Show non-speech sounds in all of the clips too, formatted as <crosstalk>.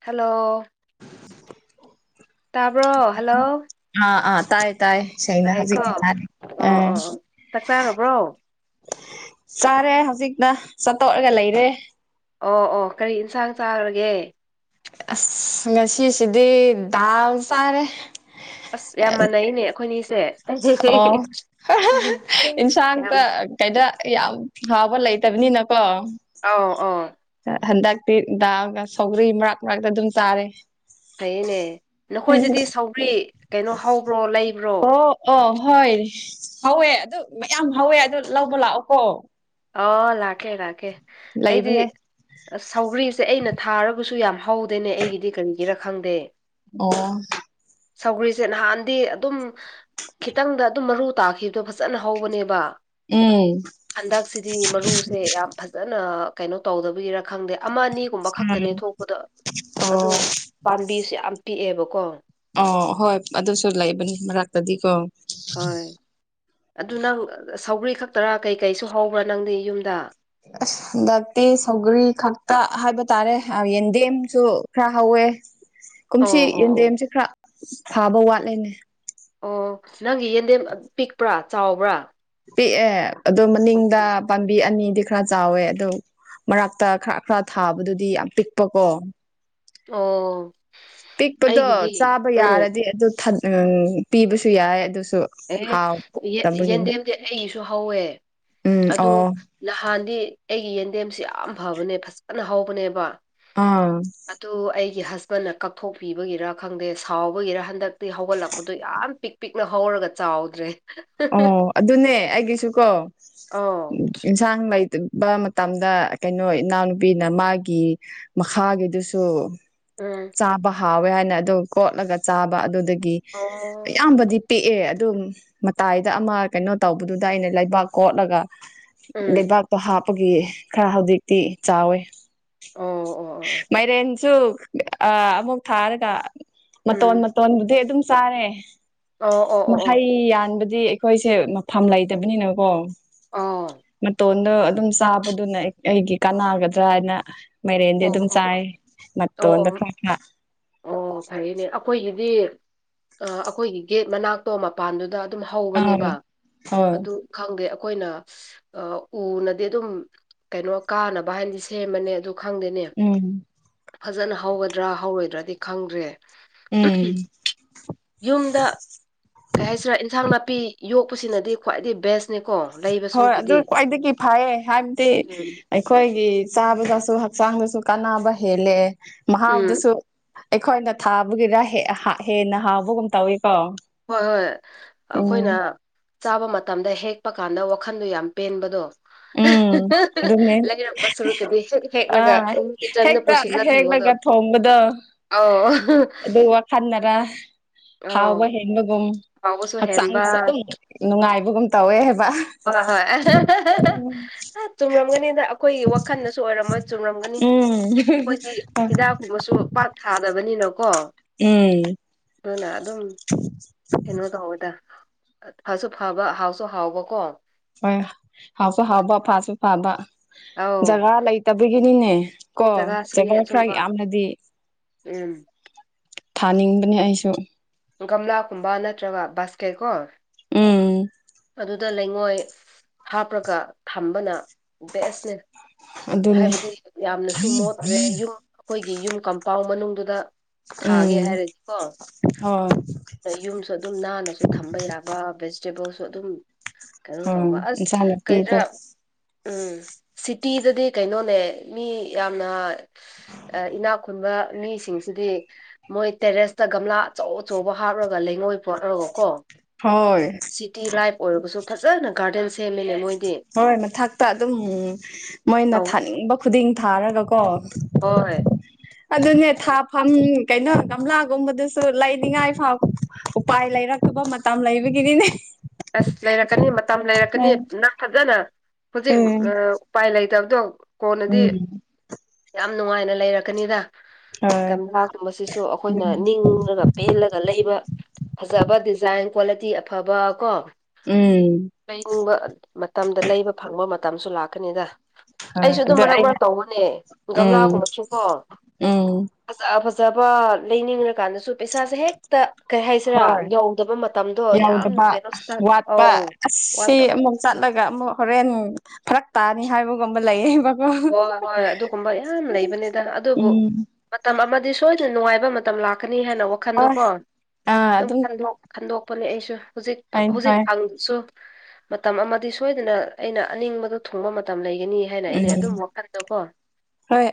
Hello ꯇꯥꯕ꯭ꯔꯣ hello ꯑꯥ ꯑꯥ ꯇꯥꯏ ꯇꯥꯏ ꯁꯩꯅ ꯇꯥꯏꯀꯣ ꯍꯧꯖꯤꯛꯇꯤ ꯇꯥꯔꯦ ꯑꯣ ꯎꯝ ꯑꯣ ꯆꯥꯛ ꯆꯥꯔꯕ꯭ꯔꯣ ꯆꯥꯔꯦ ꯍꯧꯖꯤꯛꯅ ꯆꯥꯠꯇꯣꯛꯔꯒ ꯂꯩꯔꯦ ꯑꯣ ꯑꯣ ꯀꯔꯤ ꯏꯟꯁꯥꯡ ꯆꯥꯔꯒꯦ ꯑꯁ ꯉꯁꯤꯁꯤꯗꯤ ꯗꯥꯝ ꯆꯥꯔꯦ ꯑꯁ ꯌꯥꯝ ꯃꯥꯟꯅꯩꯅꯦ ꯑꯩꯈꯣꯏꯅꯤꯁꯦ ꯑꯣ ꯑꯍꯥꯍꯥ ꯌꯥꯝ ꯏꯟꯁꯥꯡꯇ ꯀꯩꯗ ꯌꯥꯝ ꯍꯥꯎꯕ ꯂꯩꯇꯕꯅꯤꯅꯀꯣ ꯑꯥꯎ ꯑꯥꯎ ꯍꯟꯗꯛꯇꯤ ꯗꯥꯜꯒ ꯁꯧꯒ꯭ꯔꯤ ꯃꯔꯛ ꯃꯔꯛꯇ ꯑꯗꯨꯝ ꯆꯥꯔꯦ ꯐꯩꯌꯦꯅꯦ ꯅꯈꯣꯏꯗꯗꯤ ꯁꯥꯎꯒꯔꯤ ꯑꯣ ꯑꯣ ꯍꯣꯏ ꯍꯧꯋꯦ ꯑꯗꯨ ꯃꯌꯥꯝ ꯍꯧꯋꯦ ꯑꯗꯨ ꯂꯧꯕ ꯂꯥꯛꯑꯣꯀꯣ ꯑꯣ ꯂꯥꯛꯀꯦ ꯂꯥꯛꯀꯦ ꯑꯩꯗꯤ ꯂꯩꯕꯅꯦ ꯑ ꯁꯧꯒ꯭ꯔꯤꯁꯦ ꯑꯩꯅ ꯊꯥꯔꯒꯁꯨ ꯌꯥꯝ ꯍꯧꯗꯦꯅꯦ ꯑꯩꯒꯤꯗꯤ ꯀꯔꯤꯒꯤꯔ ꯈꯪꯗꯦ ꯑꯣ ꯁꯧꯒ꯭ꯔꯤꯁꯦ ꯅꯍꯥꯟꯗꯤ ꯑꯗꯨꯝ ꯈꯤꯇꯪꯗ ꯑꯗꯨꯝ ꯃꯔꯨ ꯇꯥꯈꯤꯕꯗꯣ ꯐꯖꯅ ꯍꯧꯕꯅꯦꯕ ꯎꯝ ꯗꯤ ꯃꯔꯨꯁꯦ ꯌꯥꯝ ꯐꯖꯅ ꯀꯩꯅꯣ ꯇꯧꯗꯕꯒꯤꯔꯥ ꯈꯪꯗꯦ ꯑꯃ ꯑꯅꯤꯒꯨꯝꯕ ꯈꯛꯇꯅꯦ ꯎꯝ ꯊꯣꯛꯄꯗꯣ ꯑꯣ ꯑꯗꯣ ꯄꯥꯝꯕꯤꯁꯦ ꯌꯥꯝ ꯄꯤꯛꯑꯦꯕꯀꯣ ꯑꯣ ꯍꯣꯏ ꯑꯗꯨꯁꯨ ꯂꯩꯕꯅꯤ ꯃꯔꯛꯇꯗꯤ ꯀꯣ ꯍꯣꯏ ꯑꯗꯨ ꯅꯪ ꯁꯧꯒ꯭ꯔꯤ ꯈꯛꯇꯔꯥ ꯀꯩꯀꯩꯁꯨ ꯍꯧꯕ꯭ꯔꯥ ꯅꯪꯗꯤ ꯌꯨꯝꯗ ꯑꯁ ꯍꯟꯗꯛꯇꯤ ꯁꯧꯒꯔꯤ ꯈꯛꯇ ꯍꯥꯏꯕ ꯇꯥꯔꯦ ꯌꯦꯟꯗꯦꯝꯁꯨ ꯈꯔ ꯍꯧꯋ ꯋ‌ꯦ ꯑꯣ ꯀꯨꯝꯁꯤ ꯑꯣ ꯑꯣ ꯌꯦꯟꯗꯦꯝꯁꯤꯦ ꯈꯔ ꯐꯥꯕ ꯋꯥꯠꯂꯦꯅꯦ ꯑꯣ ꯅꯪꯒꯤ ꯌꯦꯟꯗꯦꯝ ꯄꯤꯛꯄ꯭ꯔꯥ ꯆꯥꯎꯕ꯭ꯔꯥ ꯄꯤꯛꯑꯦ ꯑꯗꯣ ꯃꯅꯤꯡꯗ ꯄꯥꯝꯕꯤ ꯑꯅꯤ ꯗꯤ ꯈꯔ ꯆꯥꯎꯋꯦ ꯑꯗꯨ ꯃꯔꯥꯛꯇ ꯈꯔ ꯈꯔ ꯊꯥꯕꯗꯨꯗꯤ ꯌꯥꯝ ꯄꯤꯛꯄꯀꯣ ꯑꯣ ꯄꯤꯛꯄꯗꯣ ꯑꯩꯒꯤꯗꯤ ꯆꯥꯕ ꯎꯝ ꯌꯥꯔꯗꯤ ꯑꯗꯨ ꯊ ꯎꯝ ꯄꯤꯕꯁꯨ ꯌꯥꯏ ꯑꯗꯨ ꯑꯦ ꯌ‌ꯦꯟ ꯌꯦꯟꯗꯦꯝꯗꯤ ꯑꯩꯒꯤꯁꯨ ꯍꯧꯋꯦ ꯎꯝ ꯑꯗꯨ ꯑꯣ ꯅꯍꯥꯟꯗꯤ ꯑꯩꯒꯤ ꯌꯦꯟꯗꯦꯝꯁꯤ ꯌꯥꯝ ꯐꯕꯅꯦ ꯐꯖꯅ ꯍꯧꯕꯅꯦꯕ ꯑꯥ ꯀꯤ ꯍꯖꯕꯟꯅ ꯀꯛꯊꯣꯛꯄꯤꯕꯒꯤꯔ ꯈꯪꯗꯦ ꯁꯥꯎꯕꯒꯤꯔ ꯍꯟꯗꯛꯇꯤ ꯍꯧꯒꯠꯂꯛꯄꯗꯣ ꯌꯥꯝ ꯄꯤꯛ ꯄꯤꯛꯅ ꯍꯧꯔꯒ ꯆꯥꯎꯗ꯭ꯔꯦ ꯑꯣ ꯑꯗꯨꯅꯦ ꯑꯩꯒꯤꯁꯨ ꯀꯣ ꯑ ꯑꯧ ꯑꯦꯟꯁꯥꯡ ꯂꯩ ꯕ ꯃꯇꯝꯗ ꯀꯩꯅꯣ ꯏꯅꯥꯎꯅꯨꯄꯤꯅ ꯃꯥꯒꯤ ꯃꯈꯥꯒꯤꯗꯨꯁꯨ ꯎꯝ ꯆꯥꯕ ꯍꯥꯎꯋꯦ ꯍꯥꯏꯅ ꯑꯗꯨ ꯀꯣꯠꯂꯒ ꯆꯥꯕ ꯑꯗꯨꯗ ꯒꯤ ꯑꯣ ꯑꯌꯥꯝꯕꯗꯤ ꯄꯤꯛꯑꯦ ꯑꯗꯨꯝ ꯃꯇꯥꯏꯗ ꯑꯃ ꯀꯩꯅꯣ ꯇꯧꯕꯗꯨꯗ ꯑꯩꯅ ꯂꯩꯕꯥꯛ ꯀꯣꯠꯂꯒ ꯎꯝ ꯂꯩꯕꯥꯛꯇꯣ ꯍꯥꯞ ꯄꯒꯤ ꯈꯔ ꯍꯧꯖꯤꯛꯇꯤ ꯆꯥꯎꯋꯦ ꯑꯣ ꯑꯣ ꯑꯣ ꯃꯥꯏꯔꯦꯟꯁꯨ ꯑ ꯑꯃꯨꯛ ꯊꯥꯔꯒ ꯃꯇꯣꯟ ꯎꯝ ꯃꯇꯣꯟꯕꯨꯗꯤ ꯑꯗꯨꯝ ꯆꯥꯔꯦ ꯑꯣ ꯑꯣ ꯑꯣ ꯑꯣ ꯑꯣ ꯑꯣ ꯃꯍꯩ ꯌꯥꯟꯕꯗꯤ ꯑꯩꯈꯣꯏꯁꯦ ꯃꯐꯝ ꯂꯩꯇꯕꯅꯤꯅꯀꯣ ꯃꯇꯣꯟꯗ‌ꯣ ꯑꯗꯨꯝ ꯆꯥꯕꯗꯨꯅ ꯑꯩ ꯑꯩꯒꯤ ꯀꯥꯟꯅꯒꯗ꯭ꯔꯥ ꯍꯥꯏꯅ ꯃꯩ ꯑꯗꯨꯝ ꯆꯥꯏ ꯑꯣ ꯑꯣ ꯃꯇ‌ꯣꯟꯗ‌ꯣ ꯑꯣ ꯈꯔꯛ ꯈꯔꯛ ꯑꯣ ꯐꯔ‌ꯦꯅꯦ ꯑꯩꯈꯣꯏꯒꯤꯗꯤ ꯑ ꯑꯩꯈꯣꯏꯒꯤ ꯒꯦꯠ ꯃꯅꯥꯛꯇꯣ ꯃꯄꯥꯟꯗꯨꯗ ꯑꯗꯨꯝ ꯍꯧꯕꯅꯦꯕ ꯑꯥ ꯍꯣꯏ ꯑꯗꯨ ꯈꯪꯗꯦ ꯑꯩꯈꯣꯏꯅ ꯑꯁ ꯎꯅꯗꯤ ꯑꯗꯨꯝ ꯀꯩꯅꯣ ꯀꯥꯅꯕ ꯍꯥꯏꯅꯗꯤ ꯁꯦꯝꯕꯅꯦ ꯑꯗꯨ ꯈꯪꯗꯦꯅꯦ ꯎꯝ ꯐꯖꯅ ꯍꯧꯒꯗ꯭ꯔꯥ ꯍꯧꯔꯣꯏꯗ꯭ꯔꯥꯗꯤ ꯈꯪꯗ꯭ꯔꯦ ꯎꯝ ꯎꯍꯝ ꯌꯨꯝꯗ ꯀꯩ ꯍꯥꯏꯁꯤꯔꯥ ꯏꯟꯁꯥꯡ ꯅꯥꯄꯤ ꯄꯤ ꯌꯣꯛꯄꯁꯤꯅꯗꯤ ꯈ꯭ꯋꯥꯏꯗꯒꯤ ꯕꯦꯁ ꯍꯣꯏ ꯑꯗꯨ ꯈ꯭ꯋꯥꯏꯗꯒꯤ ꯐꯩꯌꯦ ꯍꯥꯏꯕꯗꯤ ꯎꯝ ꯑꯩꯈꯣꯏꯒꯤ ꯆꯥꯕꯗꯁꯨ ꯍꯛꯆꯥꯡꯗꯁꯨ ꯀꯥꯟꯅꯕ ꯍꯦꯜꯂꯦ ꯎꯝ ꯃꯍꯥꯎꯗꯨꯁꯨ ꯑꯩꯈꯣꯏꯅ ꯊꯥꯕꯒꯤꯔ ꯍ‌ꯦ ꯍꯥ ꯍꯦꯟꯅ ꯍꯥꯎꯕꯒꯨꯝ ꯇꯧꯋꯤ ꯍꯣꯏ ꯍꯣꯏ ꯑꯩꯈꯣꯏꯅ ꯆꯥꯕ ꯃꯇꯝꯗ ꯍꯦꯛ ꯀꯞꯄ ꯀꯥꯟꯗ ꯋꯥꯈꯟꯗꯣ ꯌꯥꯝ ꯄꯦꯟꯕꯗꯣ ꯎꯝ ꯑꯗꯨꯅꯦ ꯂꯩꯔꯛꯄ ꯁꯨꯔꯛꯀꯗꯤ ꯑꯥ ꯍꯦꯛꯂꯒꯀꯤ ꯆꯟꯗ ꯍꯦꯛꯇ ꯄꯨꯁꯤꯜꯂꯛꯂꯤ ꯍꯦꯛꯂꯒ ꯊꯣꯡꯕꯗꯣ ꯑꯗꯨ ꯋꯥꯈꯜꯗꯔ ꯑꯧ ꯍꯥꯎꯕ ꯍꯦꯟꯕꯒꯨꯝ ꯍꯥꯎꯕꯁꯨ ꯍꯦꯟꯕ ꯍꯛꯆꯥꯡꯗꯁꯨ ꯑꯗꯨꯝ ꯅꯨꯡꯉꯥꯏꯕꯒꯨꯝ ꯇꯧꯋꯦ ꯍꯥꯏꯕ ꯍꯣꯏ ꯍꯣꯏ꯫ ꯎꯝ꯫ ꯑ ꯆꯨꯝꯔꯝꯒꯅꯤꯗ ꯑꯩꯈꯣꯏꯒꯤ ꯋꯥꯈꯜꯗꯁꯨ ꯑꯣꯏꯔꯝꯃꯣꯏ ꯆꯨꯝꯔꯝꯒꯅꯤ꯫ ꯎꯝ ꯑꯩꯈꯣꯏꯗꯤ ꯍꯤꯗꯥꯛꯀꯨꯝꯕꯁꯨ ꯄꯥꯠ ꯊꯥꯗꯕꯅꯤꯅꯀꯣ꯫ ꯎꯝ꯫ ꯑꯗꯨꯅ ꯑꯗꯨꯝ ꯀꯩꯅꯣ ꯇꯧꯋꯦꯗ ꯐꯁꯨ ꯐꯕ ꯍꯥꯎꯁꯨ ꯍꯥꯎꯕꯀꯣ꯫ ꯍꯣꯏ ꯍꯥꯎꯁꯨ ꯍꯥꯎꯕ ꯐꯥꯁꯨ ꯐꯕ ꯑꯧ ꯖꯒꯥ ꯂꯩꯇꯕꯒꯤꯅꯤꯅꯦ꯫ ꯀꯣ ꯖꯒꯥꯁꯤꯅꯦ ꯖꯒꯥ ꯈꯔ ꯑꯁꯨꯝꯕ ꯌꯥꯝꯅꯗꯤ꯫ ꯎꯝ ꯊꯥꯅꯤꯡꯕꯅꯦ ꯑꯩꯁꯨ꯫ ꯒꯝꯂꯥꯒꯨꯝꯕ ꯅꯠꯇ꯭ꯔꯒ ꯕꯥꯁꯀꯦꯠ ꯀꯣ꯫ ꯎꯝ꯫ ꯑꯗꯨꯗ ꯂꯩꯉꯣꯏ ꯍꯥꯞꯄ꯭ꯔꯒ ꯊꯝꯕꯅ ꯕꯦꯁꯅꯦ꯫ ꯑꯗꯨꯅꯤ ꯍꯥꯏꯕꯗꯤ ꯌꯥꯝꯅꯁꯨ ꯃꯣꯠꯇ꯭ꯔꯦ ꯌꯨꯝ ꯑꯩꯈꯣꯏꯒꯤ ꯌꯨꯝ ꯀꯝꯄꯥꯎꯟ ꯃꯅꯨꯡꯗꯨꯗ꯫ ꯊꯥꯒꯦ ꯎꯝ ꯍꯥꯏꯔꯗꯤꯀꯣ ꯍꯣꯏ ꯑ ꯌꯨꯝꯁꯨ ꯑꯗꯨꯝ ꯅꯥꯟꯅꯁꯨ ꯊꯝꯕ ꯌꯥꯕ꯫ ꯑꯗꯨꯝ ꯀꯩꯅꯣ ꯎꯝ ꯇꯧꯕ ꯑ ꯏꯟꯁꯥꯡ ꯀꯔꯤ ꯅꯥꯄꯤꯗꯣ ꯎꯝ꯫ ꯇꯤꯗꯗꯤ ꯀꯩꯅꯣꯅꯦ ꯃꯤ ꯌꯥꯝꯅ ꯏꯅꯥꯛ ꯈꯨꯨꯟꯕ꯫ ꯃꯤꯁꯤꯡꯁꯤꯗꯤ ꯃꯣꯏ ꯇꯦꯔꯦꯁꯇ ꯒꯝꯂꯥ ꯑꯆꯧ ꯑꯆꯧꯕ ꯍꯥꯞꯔꯒ ꯂꯩꯉꯣꯏ ꯄꯣꯠꯂꯒꯀꯣ꯫ ꯍꯣꯏ ꯁꯤꯇꯤ ꯂꯥꯏꯐ ꯑꯣꯏꯔꯔꯕꯁꯨ ꯐꯖꯅ ꯒꯥꯔꯗꯦꯟ꯫ ꯁꯦꯝꯃꯤꯅꯦ ꯃꯣꯏꯗꯤ ꯍꯣꯏ ꯃꯊꯛꯇ ꯑꯗꯨꯝ ꯃꯣꯏꯅ ꯇꯧ ꯊꯥꯅꯤꯡꯕ ꯈꯨꯗꯤꯡ ꯊꯥꯔꯒꯀꯣ꯫ ꯍꯣꯏ ꯑꯗꯨꯅꯦ ꯊꯥ ꯐꯝ꯫ ꯀꯩꯅꯣ ꯒꯝꯂꯥꯒꯨꯝꯕꯗꯁꯨ ꯂꯩꯅꯤꯡꯉꯥꯏ ꯐꯥꯎ ꯎꯄꯥꯏ ꯂꯩꯔꯛꯇꯕ ꯃꯇꯝ ꯂꯩꯕꯒꯤꯅꯤꯅꯦ꯫ ꯑꯁ ꯂꯩꯔꯛꯀꯅꯤ ꯃꯇꯝ ꯂꯩꯔꯛꯀꯅꯤ ꯎꯝ ꯅꯪ ꯐꯖꯅ ꯍꯧꯖꯤꯛ ꯎꯝ ꯎꯄꯥꯏ ꯂꯩꯇꯕ꯫ ꯑꯗꯣ ꯀꯣꯟꯅꯗꯤ ꯎꯝ ꯌꯥꯝ ꯅꯨꯡꯉꯥꯏꯅ ꯂꯩꯔꯛꯀꯅꯤꯗ꯫ ꯍꯣꯏ ꯀꯂꯥꯒꯨꯝꯕꯁꯤꯁꯨ ꯑꯩꯈꯣꯏꯅ ꯅꯤꯡꯉꯒ ꯄꯦꯜꯂꯒ ꯂꯩꯕ꯫ ꯐꯖꯕ ꯗꯤꯖꯥꯏꯟ꯫ ꯀ꯭ꯋꯥꯂꯤꯇꯤ ꯑꯐꯕ ꯀꯣ ꯎꯝ ꯂꯩꯅꯤꯡꯕ ꯃꯇꯝꯗ ꯂꯩꯕ ꯐꯪꯕ ꯃꯇꯝ ꯃꯇꯝꯁꯨ ꯂꯥꯛꯀꯅꯤꯗ ꯍꯣꯏ ꯑꯩꯁꯨ ꯑꯗꯨꯝ ꯑꯗꯣ ꯃꯔꯛ ꯑꯩꯅ ꯃꯔꯛ ꯇꯧꯕꯅꯦ ꯎꯝ ꯒꯝꯂꯥꯒꯨꯝꯕ ꯆꯀꯣ ꯎꯝ ꯐꯖ ꯐꯖ ꯐꯖꯕ ꯂꯩꯅꯤꯡꯂ꯭ꯔꯀꯥꯟꯗꯁꯨ ꯄꯩꯁꯥꯁꯦ ꯍꯦꯛꯇ ꯀꯩ ꯍꯥꯏꯁꯤꯔꯥ ꯍꯣꯏ ꯌꯧꯗꯕ ꯃꯇꯝꯗꯣ ꯌꯥꯝ ꯌꯧꯗꯕ ꯀꯩꯅꯣ ꯏꯁꯇꯛ ꯑꯧ ꯋꯥꯠꯄ ꯋꯥꯠꯄ ꯑꯁꯤ ꯑꯃꯨꯛ ꯍꯣꯏ ꯆꯠꯂꯒ ꯑꯃꯨꯛ ꯍꯣꯔꯦꯟ ꯐꯔꯛ ꯇꯥꯅꯤ ꯍꯥꯏꯕꯨꯒꯝꯕ ꯂꯥꯏꯦ ꯍꯥꯏ ꯍꯣꯏ ꯍꯣꯏ ꯑꯗꯨꯒꯨꯝꯕ ꯌꯥꯝ ꯂꯩꯕꯅꯤꯗ ꯑꯗꯨꯕꯨ ꯎꯝ ꯃꯇꯝ ꯑꯃ ꯑꯗꯨ ꯁꯣꯏꯗꯅ ꯅꯨꯡꯉꯥꯏꯕ ꯃꯇꯝ ꯂꯥꯛꯀꯅꯤ ꯍꯥꯏꯅ ꯍꯣꯏ ꯋꯥꯈꯟꯗꯣꯀꯣ ꯑꯥ ꯑꯗꯨꯝ ꯑꯗꯨꯝꯟꯗ ꯄꯅꯦ ꯑꯩꯁꯨ ꯍꯧꯖꯤꯛ ꯍꯣꯏ ꯍꯧꯖꯤꯛ ꯍꯣꯏ ꯍꯪꯗꯁꯨ ꯃꯇꯝ ꯑꯃꯗꯤ ꯁꯣꯏꯗꯅ ꯑꯩꯅ ꯑꯅꯤꯡꯕꯗ ꯊꯨꯡꯕ ꯃꯇꯝ ꯂꯩꯒꯅꯤ ꯍꯥꯏꯅ ꯑꯩꯅ ꯎꯝ ꯑꯗꯨꯝ ꯋꯥꯈꯜꯗꯣ ꯀꯣ ꯍꯣꯏ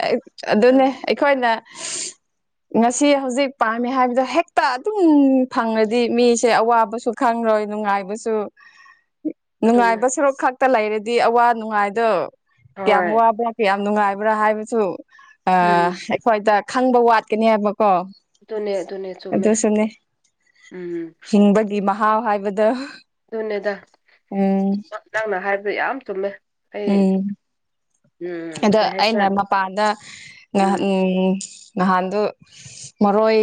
ꯑꯗꯨꯅꯦ ꯑꯩꯈꯣꯏꯅ ꯉꯁꯤ ꯍꯧꯖꯤꯛ ꯄꯥꯝꯃꯤ ꯍꯥꯏꯕꯗ ꯍꯦꯛꯇ ꯑꯗꯨꯝ ꯐꯪꯉꯗꯤ ꯃꯤꯁꯦ ꯑꯋꯥꯕꯁꯨ ꯈꯔ ꯈꯪꯔꯣꯏ ꯅꯨꯡꯉꯥꯏꯕꯁꯨ ꯑꯗꯨꯅꯦ ꯅꯨꯡꯉꯥꯏꯕ ꯁꯣꯔꯣꯛ ꯈꯛꯇ ꯂꯩꯔꯗꯤ ꯑꯋꯥ ꯅꯨꯡꯉꯥꯏꯗ ꯀꯌꯥꯝ ꯍꯣꯏ ꯋꯥꯕ꯭ꯔꯥ ꯀꯌꯥꯝ ꯅꯨꯡꯉꯥꯏꯕ ꯍꯥꯏꯕꯁꯨ ꯎꯝ ꯑꯩꯈꯣꯏꯗ ꯈꯪꯕ ꯋꯥꯠꯀꯅꯤ ꯍꯥꯏꯕ ꯀꯣ ꯑꯗꯨꯅꯦ ꯑꯗꯨꯅꯦ ꯆꯨꯝꯃꯦ ꯑꯗꯨꯁꯨꯅꯦ ꯎꯝ ꯍꯤꯡꯕꯒꯤ ꯃꯍꯥꯎ ꯍꯥꯏꯕꯗ ꯑꯗꯨꯅꯦꯗ ꯅꯪꯅ ꯍꯥꯏꯕꯗ ꯌꯥꯝ ꯆꯨꯝꯃꯦ ꯑꯩ ꯎꯝ ꯎꯝ ꯑꯗ ꯀꯩ ꯍꯥꯏꯁꯤꯔꯥ ꯑꯩꯅ ꯃꯄꯥꯟꯗ ꯉꯍ ꯎꯝ ꯅꯍꯥꯟꯗꯣ ꯃꯔꯣꯏ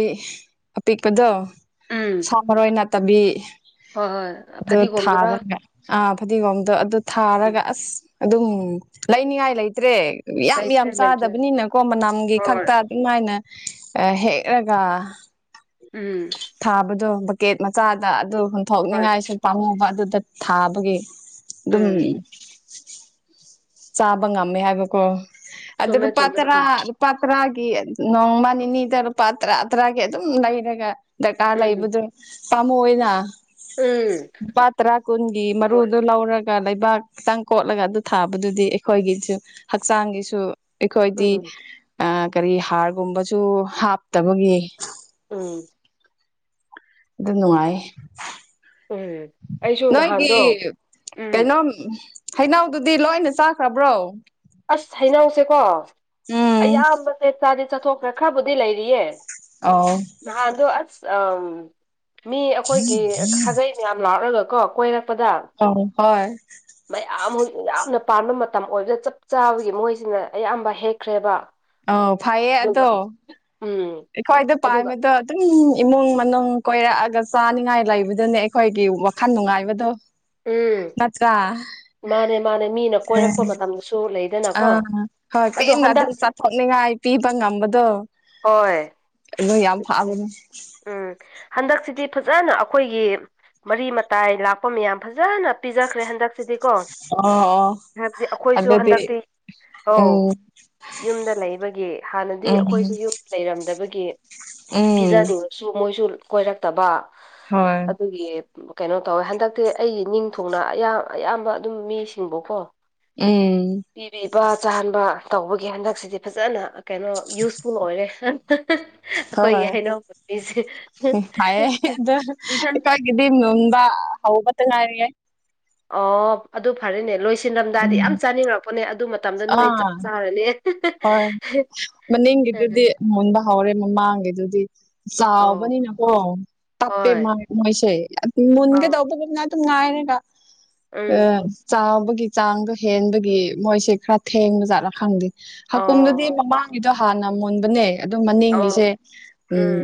ꯑꯄꯤꯛꯄꯗꯣ ꯎꯝ ꯁꯥ ꯃꯔꯣꯏ꯫ ꯇꯕꯤ ꯍꯣꯏ ꯍꯣꯏ ꯑ ꯐꯗꯤꯒꯣꯝꯗꯨꯔꯥ ꯊꯥꯕꯅꯦ꯫ ꯑꯥ ꯐꯗꯤꯒꯣꯝꯗꯣ ꯑꯗꯨ ꯎꯝ ꯊꯥꯔꯒ ꯑꯁ ꯑꯗꯨꯝ ꯂꯩꯅꯤꯉꯥꯏ ꯂꯩꯇ꯭ꯔꯦ꯫ ꯌꯥꯝ ꯌꯥꯝ ꯂꯩꯇ꯭ꯔꯦ ꯂꯩꯇ꯭ꯔꯦ ꯆꯥꯗꯕꯅꯤꯅꯀꯣ ꯃꯅꯝꯒꯤ ꯍꯣꯏ ꯈꯛꯇ ꯑꯗꯨꯝꯃꯥꯏꯅ꯫ ꯍꯦꯛꯂꯒ꯫ ꯎꯝ ꯊꯥꯕꯗꯣ ꯕꯛꯀꯦꯠ ꯃꯆꯥꯗ ꯑꯗꯨ ꯍꯣꯏ ꯍꯨꯟꯊꯣꯛꯅꯤꯡꯉꯥꯏꯁꯨ ꯄꯥꯝꯃꯨꯕ ꯑꯗꯨꯗ ꯊꯥꯕꯒꯤ ꯑꯗꯨꯝ ꯎꯝ ꯆꯥꯕ ꯉꯝꯃꯦ ꯍꯥꯏꯕꯀꯣ ꯑꯗꯨ ꯆꯨꯝꯃꯦ ꯂꯨꯄꯥ ꯆꯨꯝꯃꯦ ꯇꯔꯥ ꯎꯝ ꯂꯨꯄꯥ ꯇꯔꯥ ꯅꯣꯡꯃ ꯅꯤꯅꯤꯗ ꯂꯨꯄꯥ ꯇꯔꯥ ꯇꯔꯥꯒꯤ ꯑꯗꯨꯝ ꯂꯩꯔꯒ ꯗꯔꯀꯥꯔ ꯎꯝ ꯂꯩꯕꯗꯨ ꯄꯥꯃꯨꯅꯄꯥ ꯎꯝ ꯇꯔꯥ ꯀꯨꯟꯒꯤ ꯊꯝꯃꯣꯏ ꯃꯔꯨꯗꯨꯣ ꯂꯧꯔꯒ ꯂꯩꯕꯥꯛ ꯈꯤꯇꯪ ꯀꯣꯠꯂꯒ ꯑꯗꯨ ꯊꯥꯕꯗꯨꯗꯤ ꯑꯩꯈꯣꯏꯒꯤꯁꯨ ꯍꯛꯆꯥꯡꯒꯤꯁꯨ ꯑꯩꯈꯣꯏꯗꯤ ꯎꯝ ꯑ ꯀꯔꯤ ꯍꯥꯔꯒꯨꯝꯕꯁꯨ ꯍꯥꯞꯇꯕꯒꯤ ꯎꯝ ꯑꯗꯨ ꯅꯨꯡꯉꯥꯏ ꯎꯝ ꯑꯩꯁꯨ ꯅꯣꯏꯒꯤ ꯅꯍꯥꯟꯗꯣ ꯎꯝ ꯀꯩꯅꯣ ꯍꯩꯅꯎꯗꯨꯗꯤ ꯂꯣꯏꯅ ꯆꯥꯈ꯭ꯔꯕ꯭ꯔꯣ ꯑꯁ ꯍꯩꯅꯧꯁꯦꯀꯣ ꯎꯝ ꯑꯌꯥꯝꯕꯁꯦ ꯆꯥꯗꯤ ꯆꯠꯊꯣꯛꯈ꯭ꯔꯦ ꯈꯔꯕꯨꯗꯤ ꯂꯩꯔꯤꯌꯦ ꯑꯧ ꯍꯥꯗꯣ ꯑꯁ ꯑ ꯃꯤ ꯑꯩꯈꯣꯏꯒꯤ ꯁꯥꯒꯩ ꯃꯌꯥꯝ ꯂꯥꯛꯂꯒ ꯀꯣ ꯀꯣꯏꯔꯛ ꯄꯗ ꯑꯧ ꯍꯣꯏ ꯃ ꯑꯝ ꯍ ꯌꯥꯝꯅ ꯄꯥꯟꯕ ꯃꯇꯝ ꯑꯣꯏꯕꯗ ꯆꯞ ꯆꯥꯕꯒꯤ ꯃꯣꯏꯁꯤꯅ ꯑꯌꯥꯝꯕ ꯍꯦꯛꯈ꯭ꯔꯦꯕ ꯑ ꯐꯩꯌꯦ ꯑꯗꯨꯒ ꯑꯗꯣ ꯎꯝ ꯑꯩꯈꯣꯏꯗ ꯑꯗꯨꯒ ꯄꯥꯝꯃꯦꯗꯣ ꯑꯗꯨꯝ ꯏꯃꯨꯡ ꯃꯅꯨꯡ ꯀꯣꯏꯔꯛꯑꯒ ꯆꯥꯅꯤꯡꯉꯥꯏ ꯂꯩꯕꯗꯨꯅꯦ ꯑꯩꯈꯣꯏꯒꯤ ꯋꯥꯈꯜ ꯅꯨꯡꯉꯥꯏꯕꯗꯣ ꯎꯝ ꯉꯠꯇ ꯀ ꯃꯥꯅꯦ ꯃꯥꯅꯦ ꯃꯤꯅ ꯎ ꯀꯣꯏꯔꯛꯄ ꯃꯇꯝꯗꯁꯨ ꯂꯩꯗꯅꯀꯣ ꯑꯥ ꯍꯣꯏ ꯀ ꯑꯗꯣ ꯍꯟꯗꯛ ꯑꯗꯨꯝ ꯆꯥꯊꯣꯛꯅꯤꯡꯉꯥꯏ ꯄꯤꯕ ꯉꯝꯕꯗꯣ ꯍꯣꯏ ꯑꯗꯨ ꯌꯥꯝ ꯐꯕꯅꯦ ꯎꯝ ꯍꯟꯗꯛꯁꯤꯗꯤ ꯐꯖꯅ ꯑꯩꯈꯣꯏꯒꯤ ꯃꯔꯤ ꯃꯇꯥꯏ ꯂꯥꯛꯄ ꯃꯌꯥꯝ ꯐꯖꯅ ꯄꯤꯖꯈ꯭ꯔꯦ ꯍꯟꯗꯛ ꯁꯤꯗꯤꯀꯣ ꯑꯣ ꯑꯣ ꯍꯥꯏꯕꯗꯤ ꯑꯩꯈꯣꯏꯁꯨ ꯑꯗꯨꯗꯤ ꯍꯟꯗꯛꯇꯤ ꯑ ꯎꯝ ꯌꯨꯝꯗ ꯂꯩꯕꯒꯤ ꯍꯥꯟꯅꯗꯤ ꯎꯝ ꯑꯩꯈꯣꯏꯁꯨ ꯌꯨꯝꯗ ꯂꯩꯔꯝꯗꯕꯒꯤ ꯒꯤ ꯎꯝ ꯄꯤꯖꯅꯤꯡꯉꯁꯨ ꯃꯣꯏꯁꯨ ꯀꯣꯏꯔꯛꯇꯕ ꯍꯣꯏ ꯑꯗꯨꯒꯤ ꯀꯩꯅꯣ ꯇꯧꯋꯦ ꯍꯟꯗꯛꯇꯤ ꯑꯩꯒꯤ ꯅꯤꯡꯊꯊꯧꯅ ꯑꯌꯥꯝ ꯑꯌꯥꯝꯕ ꯑꯗꯨꯝ ꯃꯤꯁꯤꯡꯕꯀꯣ ꯎꯝ ꯄ ꯆꯥꯍꯟꯕ ꯇꯧꯕꯒꯤ ꯍꯟꯗꯛꯁꯤꯗꯤ ꯐꯖꯅ ꯀꯩꯅꯣ ꯌꯨꯁꯐꯨꯜ ꯑꯣꯏꯔꯦ ꯑꯩꯈꯣꯏꯒꯤ ꯍꯣꯏ ꯍꯩꯅꯧ ꯄꯥꯝꯕꯤꯁꯦ ꯍ ꯑꯗꯨꯗꯀꯣꯏ ꯀ ꯍꯕ ꯉꯔꯦ ꯑꯣ ꯑꯗꯨ ꯐꯔꯦꯅꯦ ꯂꯣꯏꯁꯤꯜꯔꯝꯗꯥꯏꯗꯤ ꯎꯝ ꯌꯥꯝ ꯆꯥꯅꯤꯡꯉꯛꯄꯅꯦ ꯑꯗꯨ ꯃꯇꯝꯗ ꯅꯣꯏ ꯑꯥ ꯆꯥꯔꯅꯤꯁ ꯍꯣꯏ ꯎꯝ ꯃꯅꯤꯡꯒꯤꯗꯨꯗꯤ ꯃꯨꯟꯕ ꯍꯧꯥꯎꯔꯦ ꯃꯃꯥꯡꯒꯤꯗꯨꯗꯤ ꯑꯣ ꯆꯥꯎꯕꯅꯤꯅꯀꯣ ꯇꯞꯄꯦ ꯍꯣꯏ ꯃꯥꯏ ꯃꯣꯏꯁꯦ ꯃꯨꯟꯒꯦ ꯑꯣ ꯇꯧꯕꯅꯤ ꯉꯥꯏꯅꯦ ꯑ ꯎꯝ ꯆꯥꯕ ꯆꯥꯡꯗꯣ ꯍꯦꯟꯕꯒꯤ ꯃꯣꯏꯁ ꯈꯔ ꯊꯦꯡꯕꯖꯥꯠꯂꯥ ꯈꯪꯗꯦ ꯍꯥꯀꯨꯝꯗꯨꯗꯤ ꯑꯣ ꯃꯃꯥꯡ ꯑꯗꯨꯣ ꯍꯥꯟꯅ ꯃꯨꯣꯟꯕꯅꯦ ꯑꯗꯨ ꯃꯅꯤꯡꯒꯤꯁꯦ ꯑꯣ ꯎꯝ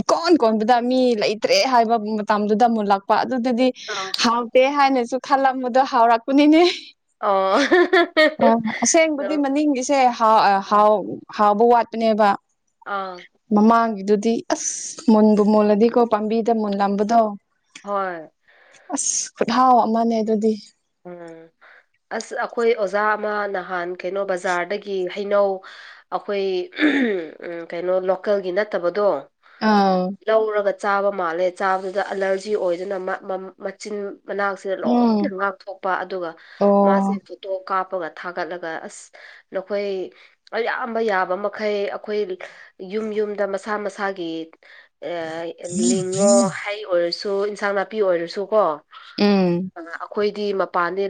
ꯏꯀꯣꯟ ꯀꯣꯟꯕꯗ ꯃꯤ ꯂꯩꯇ꯭ꯔꯦ ꯍꯥꯏꯕ ꯃꯇꯝꯗꯨꯗ ꯃꯨꯜꯂꯛꯄ ꯑꯗꯨꯗꯨꯗꯤ ꯑꯣ ꯍꯥꯎꯇꯦ ꯍꯥꯏꯅꯁꯨ ꯈꯜꯂꯝꯕꯗꯣ ꯍꯥꯎꯔꯛꯄꯅꯤꯅꯦ ꯑꯣ ꯑꯩꯁꯦ ꯑ ꯍꯥꯎ ꯍꯥꯎꯕ ꯋꯥꯠꯄꯅꯦꯕ ꯑꯥ ꯃꯃꯥꯡꯒꯤꯗꯨ ꯗꯤ ꯑꯁ ꯃꯨꯟꯕꯨ ꯃꯨꯜꯂꯗꯤꯀꯣ ꯄꯥꯝꯕꯤꯗ ꯃꯨꯜꯂꯝꯕꯗꯣ ꯍꯣꯏ ꯍꯥꯎ ꯑꯃꯅꯦ ꯑꯗꯨꯗꯤ ꯎꯝ ꯑꯁ ꯑꯩꯈꯣꯏ ꯑꯣꯖꯥ ꯑꯃ ꯅꯍꯥꯟ ꯀꯩꯅꯣ ꯕꯖꯥꯔꯗꯒꯤ ꯍꯩꯅꯧ ꯑꯩꯈꯣꯏ ꯀꯩꯅꯣ ꯂꯣꯀꯦꯜꯒꯤ ꯅꯠꯇꯕꯗꯣ ꯑꯥ ꯂꯧꯔꯒ ꯆꯥꯕ ꯃꯥꯜꯂꯦ ꯆꯥꯕꯗꯨꯗ ꯑꯦꯂꯔꯖꯤ ꯑꯣꯏꯗꯨꯅ ꯃꯆꯤꯟ ꯃꯅꯥꯁꯤꯗ ꯎꯝ ꯂꯣꯏꯅ ꯉꯥꯛ ꯊꯣꯛꯣꯛꯄ ꯑꯗꯨꯒ ꯃꯥꯁꯦ ꯑꯣ ꯐꯣꯇꯣ ꯀꯥꯞ ꯍꯥꯞꯄꯒ ꯊꯥꯒꯠꯂꯒ ꯑꯁ ꯅꯈꯣꯏ ꯑꯌꯥꯝꯕ ꯌꯥꯕ ꯃꯈꯩ ꯑꯩꯈꯣꯏ ꯌꯨꯝ ꯌꯨꯝꯗ ꯃꯁꯥ ꯃꯁꯥꯒꯤ ꯂꯤꯡꯉꯣ ꯍꯥꯏ ꯑꯣꯏꯔꯁꯨ ꯏꯟꯁꯥꯡ ꯅꯥꯄꯤ ꯑꯣꯏꯔꯁꯨ ꯀꯣ ꯎꯝ ꯑꯩꯈꯣꯏꯗꯤ ꯃꯄꯥꯟꯗ